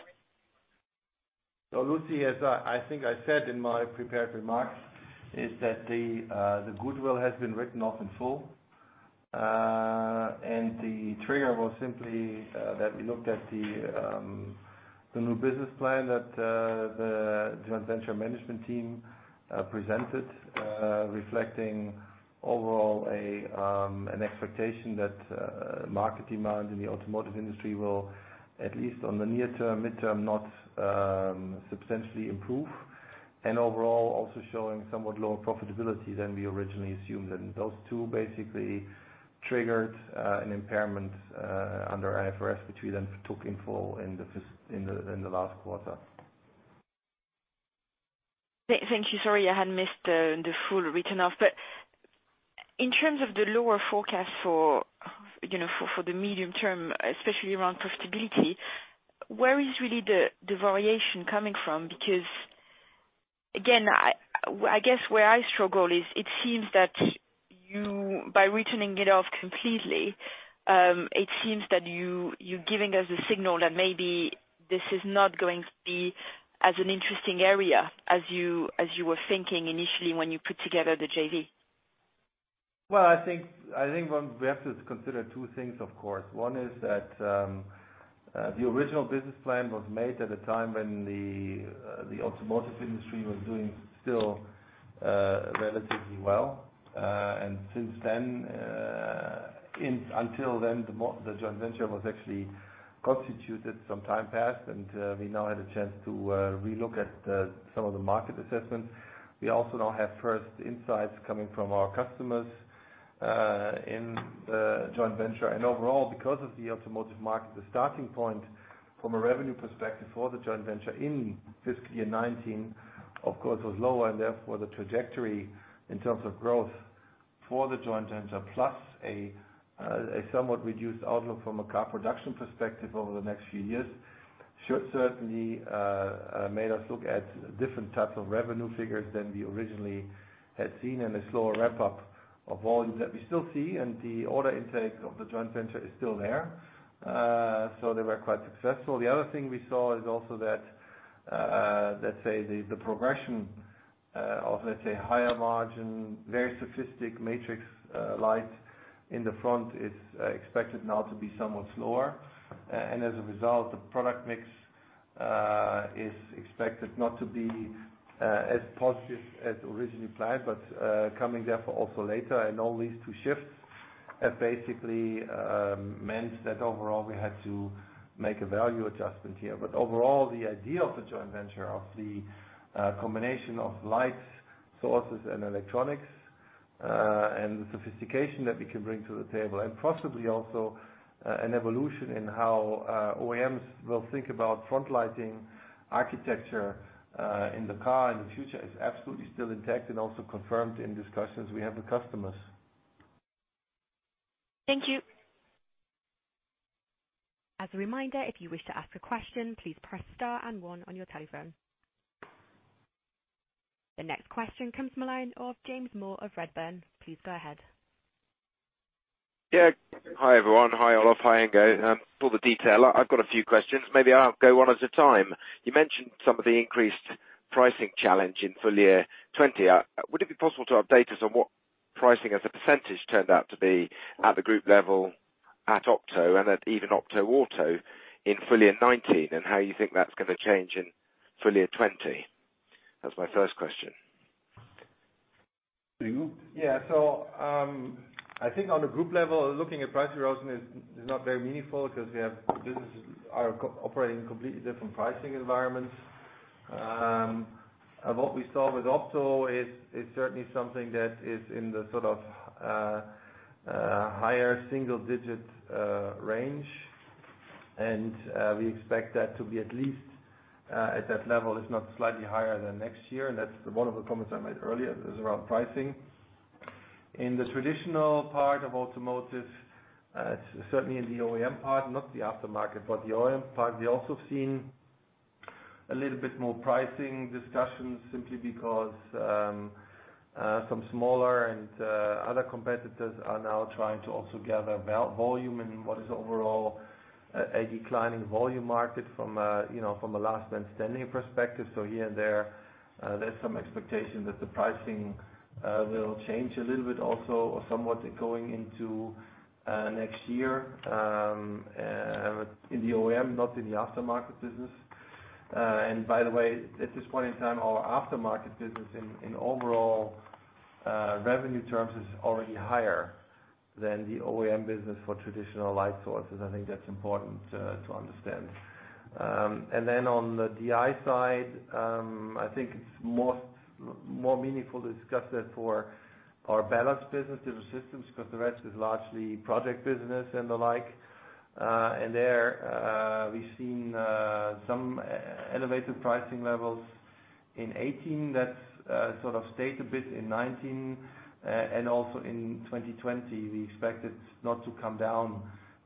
Lucie, as I think I said in my prepared remarks, is that the goodwill has been written off in full. The trigger was simply, that we looked at the new business plan that the joint venture management team presented, reflecting overall an expectation that market demand in the automotive industry will, at least on the near term, midterm, not substantially improve. Overall, also showing somewhat lower profitability than we originally assumed. Those two basically triggered an impairment under IFRS, which we then took in full in the last quarter. Thank you. Sorry, I had missed the full written off. In terms of the lower forecast for the medium term, especially around profitability, where is really the variation coming from? Again, I guess where I struggle is it seems that you, by written it off completely, it seems that you're giving us a signal that maybe this is not going to be as an interesting area as you were thinking initially when you put together the JV. Well, I think we have to consider two things, of course. One is that the original business plan was made at a time when the automotive industry was doing still relatively well. Until then, the joint venture was actually constituted some time passed, and we now had a chance to relook at some of the market assessments. We also now have first insights coming from our customers, in the joint venture. Overall, because of the automotive market, the starting point from a revenue perspective for the joint venture in fiscal year 2019, of course, was lower and therefore the trajectory in terms of growth for the joint venture, plus a somewhat reduced outlook from a car production perspective over the next few years should certainly made us look at different types of revenue figures than we originally had seen and a slower ramp-up of volumes that we still see, and the order intake of the joint venture is still there. They were quite successful. The other thing we saw is also that, let's say, the progression of higher margin, very sophisticated matrix LED in the front is expected now to be somewhat slower. As a result, the product mix is expected not to be as positive as originally planned, but coming therefore also later and all these two shifts basically meant that overall, we had to make a value adjustment here. Overall, the idea of the joint venture of the combination of light sources and electronics and the sophistication that we can bring to the table, and possibly also an evolution in how OEMs will think about front lighting architecture in the car in the future is absolutely still intact and also confirmed in discussions we have with customers. Thank you. As a reminder, if you wish to ask a question, please press star and one on your telephone. The next question comes from the line of James Moore of Redburn. Please go ahead. Hi, everyone. Hi, Olaf. Hi, Ingo. For the detail, I've got a few questions. Maybe I'll go one at a time. You mentioned some of the increased pricing challenge in full-year 2020. Would it be possible to update us on what pricing as a percentage turned out to be at the group level at Opto and at even Opto Auto in full-year 2019, and how you think that's gonna change in full-year 2020? That's my first question. To you. Yeah. I think on a group level, looking at price erosion is not very meaningful because we have businesses are operating in completely different pricing environments. What we saw with Opto is certainly something that is in the sort of higher single-digit range. We expect that to be at least at that level, if not slightly higher than next year. That's one of the comments I made earlier is around pricing. In the traditional part of automotive, certainly in the OEM part, not the aftermarket, but the OEM part, we also seen a little bit more pricing discussions simply because some smaller and other competitors are now trying to also gather volume in what is overall a declining volume market from a last-man-standing perspective. Here and there's some expectation that the pricing will change a little bit also, or somewhat going into next year, in the OEM, not in the aftermarket business. By the way, at this point in time, our aftermarket business in overall revenue terms is already higher than the OEM business for traditional light sources. I think that's important to understand. Then on the DI side, I think it's more meaningful to discuss that for our ballast business division systems because the rest is largely project business and the like. There we've seen some elevated pricing levels in 2018, that sort of stayed a bit in 2019. Also in 2020, we expect it not to come down.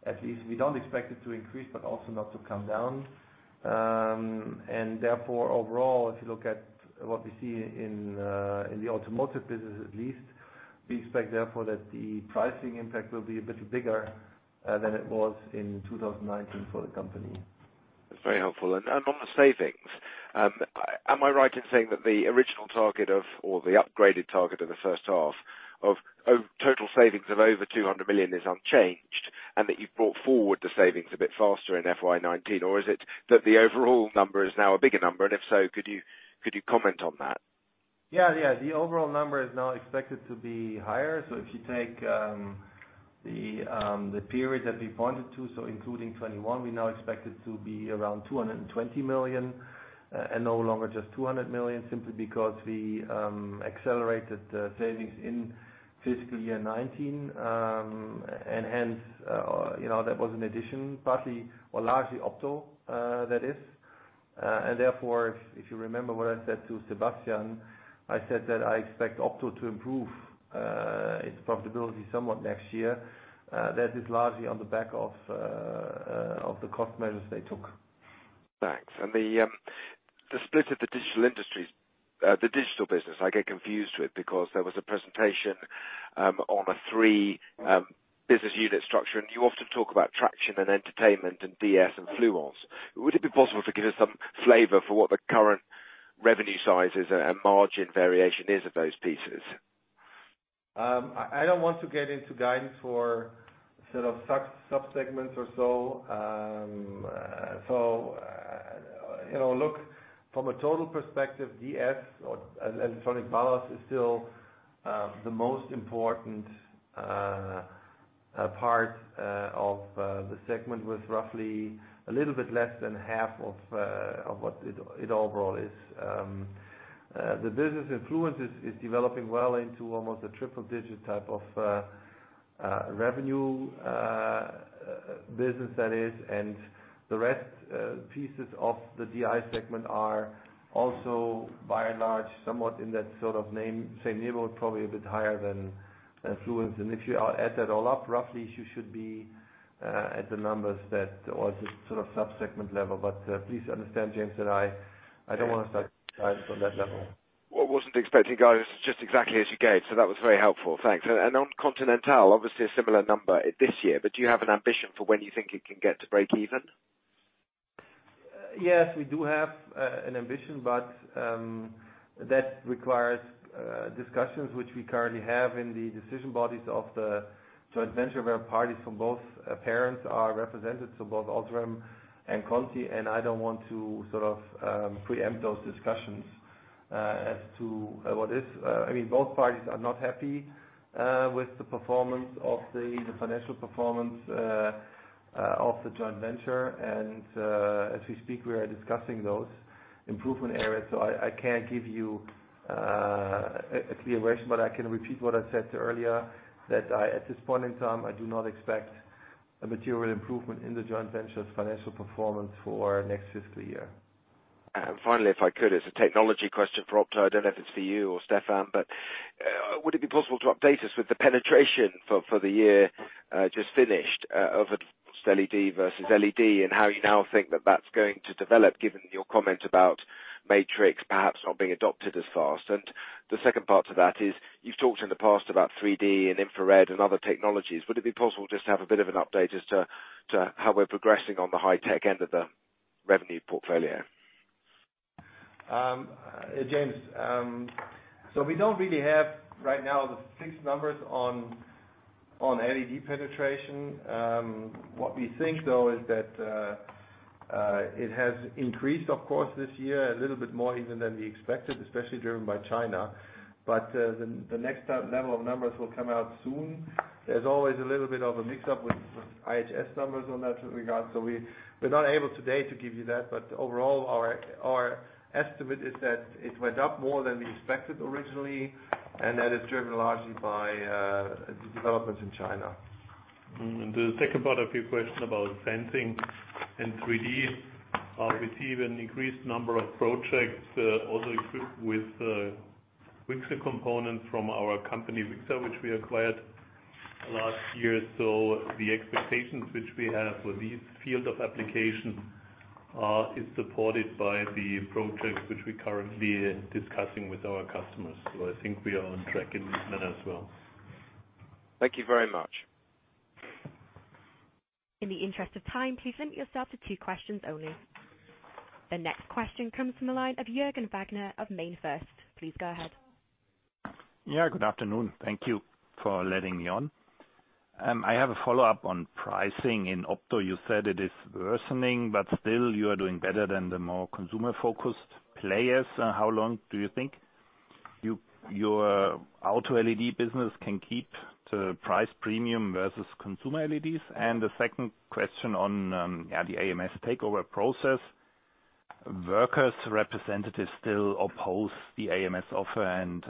At least we don't expect it to increase, but also not to come down. Therefore, overall, if you look at what we see in the automotive business at least, we expect therefore that the pricing impact will be a bit bigger than it was in 2019 for the company. That's very helpful. On the savings, am I right in saying that the original target of all the upgraded target of the first half of total savings of over 200 million is unchanged and that you've brought forward the savings a bit faster in FY 2019? Is it that the overall number is now a bigger number? If so, could you comment on that? Yeah. The overall number is now expected to be higher. If you take the period that we pointed to, including 2021, we now expect it to be around 220 million and no longer just 200 million simply because we accelerated the savings in fiscal year 2019. Hence, that was an addition partly or largely Opto, that is. Therefore, if you remember what I said to Sebastian, I said that I expect Opto to improve its profitability somewhat next year. That is largely on the back of the cost measures they took. Thanks. The split of the Digital industries, the Digital business, I get confused with because there was a presentation on a three-business unit structure, and you often talk about Traxon and entertainment and DI and Fluence. Would it be possible to give us some flavor for what the current revenue size is and margin variation is of those pieces? I don't want to get into guidance for sort of sub-segments or so. Look, from a total perspective, DS or electronic ballasts is still the most important part of the segment with roughly a little bit less than half of what it overall is. The business Fluence is developing well into almost a triple-digit type of revenue business, that is, and the rest pieces of the DI segment are also by and large, somewhat in that sort of same neighborhood, probably a bit higher than Fluence. If you add that all up, roughly, you should be at the numbers that, or the sort of sub-segment level. Please understand, James, that I don't want to start to dive to that level. Well, I wasn't expecting it. I was just exactly as you gave, so that was very helpful. Thanks. On Continental, obviously a similar number this year, but do you have an ambition for when you think it can get to break even? Yes, we do have an ambition, but that requires discussions, which we currently have in the decision bodies of the joint venture, where parties from both parents are represented, so both OSRAM and Conti, and I don't want to sort of preempt those discussions as to what if. Both parties are not happy with the financial performance of the joint venture. As we speak, we are discussing those improvement areas. I can't give you a clear answer, but I can repeat what I said earlier that at this point in time, I do not expect a material improvement in the joint venture's financial performance for next fiscal year. Finally, if I could, it's a technology question for Opto. I don't know if it's for you or Stefan. Would it be possible to update us with the penetration for the year just finished of LED vs. LED and how you now think that that's going to develop given your comment about matrix perhaps not being adopted as fast? The second part to that is, you've talked in the past about 3D and infrared and other technologies. Would it be possible just to have a bit of an update as to how we're progressing on the high-tech end of the revenue portfolio? James, we don't really have right now the fixed numbers on LED penetration. What we think though is that it has increased, of course, this year, a little bit more even than we expected, especially driven by China. The next level of numbers will come out soon. There's always a little bit of a mix-up with IHS numbers on that regard. We're not able today to give you that, but overall, our estimate is that it went up more than we expected originally, and that is driven largely by the developments in China. The second part of your question about sensing and 3D. We see an increased number of projects also equipped with Vixar components from our company, Vixar, which we acquired last year. The expectations which we have for these field of application is supported by the projects which we're currently discussing with our customers. I think we are on track in this manner as well. Thank you very much. In the interest of time, please limit yourself to two questions only. The next question comes from the line of Jürgen Wagner of MainFirst. Please go ahead. Yeah, good afternoon. Thank you for letting me on. I have a follow-up on pricing in Opto. You said it is worsening, but still you are doing better than the more consumer-focused players. How long do you think your Auto LED business can keep the price premium versus consumer LEDs? The second question on the ams takeover process. Workers' representatives still oppose the ams offer and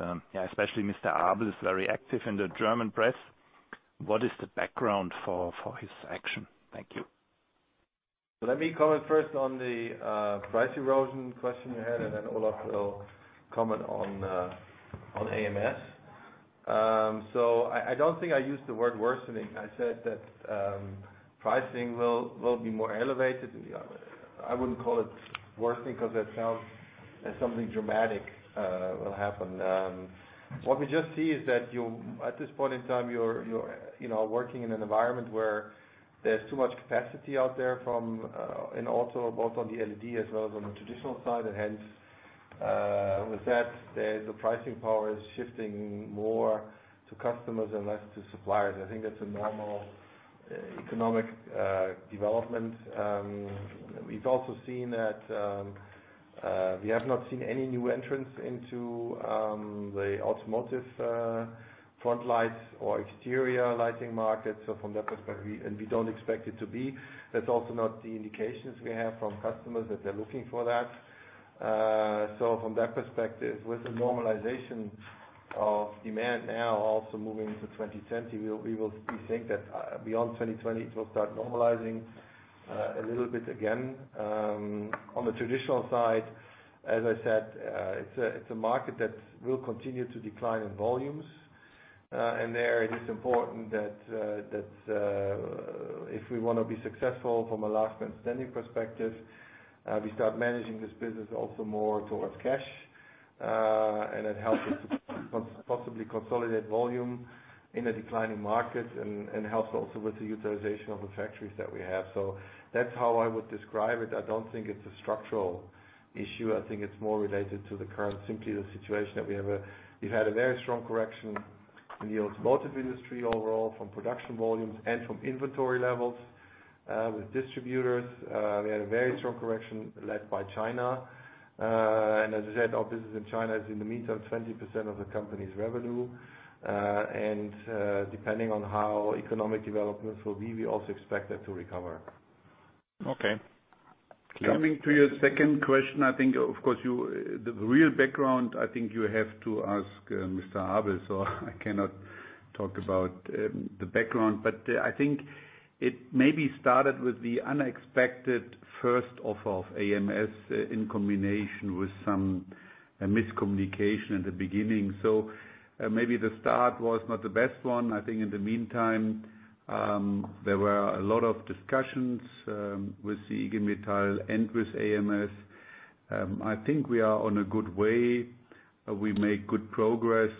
especially Mr. Abel is very active in the German press. What is the background for his action? Thank you. Let me comment first on the price erosion question you had, and then Olaf will comment on ams. I don't think I used the word worsening. I said that pricing will be more elevated. I wouldn't call it worsening because that sounds as something dramatic will happen. What we just see is that at this point in time, you're working in an environment where there's too much capacity out there both on the LED as well as on the traditional side. Hence, with that, the pricing power is shifting more to customers and less to suppliers. I think that's a normal economic development. We have not seen any new entrants into the automotive front lights or exterior lighting markets from that perspective, and we don't expect it to be. That's also not the indications we have from customers that they're looking for that. From that perspective, with the normalization of demand now also moving to 2020, we think that beyond 2020, it will start normalizing a little bit again. On the traditional side, as I said, it's a market that will continue to decline in volumes. There, it is important that if we want to be successful from a last man standing perspective, we start managing this business also more towards cash, and it helps us to possibly consolidate volume in a declining market and helps also with the utilization of the factories that we have. That's how I would describe it. I don't think it's a structural issue. I think it's more related to the current, simply the situation that we have. We've had a very strong correction in the automotive industry overall from production volumes and from inventory levels with distributors. We had a very strong correction led by China. As I said, our business in China is in the meantime, 20% of the company's revenue. Depending on how economic developments will be, we also expect that to recover. Okay. Clear. Coming to your second question, I think, of course, the real background, I think you have to ask Mr. Abel, I cannot talk about the background. I think it maybe started with the unexpected first offer of ams in combination with some miscommunication in the beginning. Maybe the start was not the best one. I think in the meantime, there were a lot of discussions with the IG Metall and with ams. I think we are on a good way. We make good progress,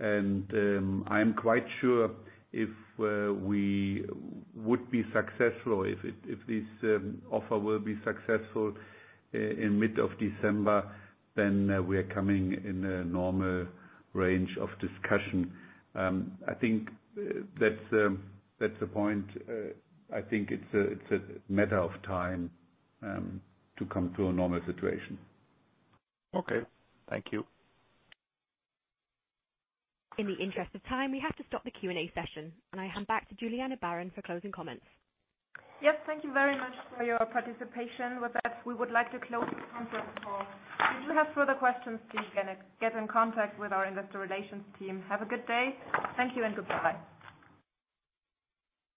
I'm quite sure if we would be successful, or if this offer will be successful in mid of December, then we are coming in a normal range of discussion. I think that's the point. I think it's a matter of time to come to a normal situation. Okay. Thank you. In the interest of time, we have to stop the Q&A session, and I hand back to Juliana Baron for closing comments. Yes, thank you very much for your participation. With that, we would like to close the conference call. If you have further questions, please get in contact with our Investor Relations team. Have a good day. Thank you and goodbye.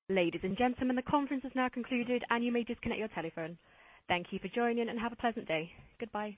Ladies and gentlemen, the conference is now concluded, and you may disconnect your telephone. Thank you for joining and have a pleasant day. Goodbye.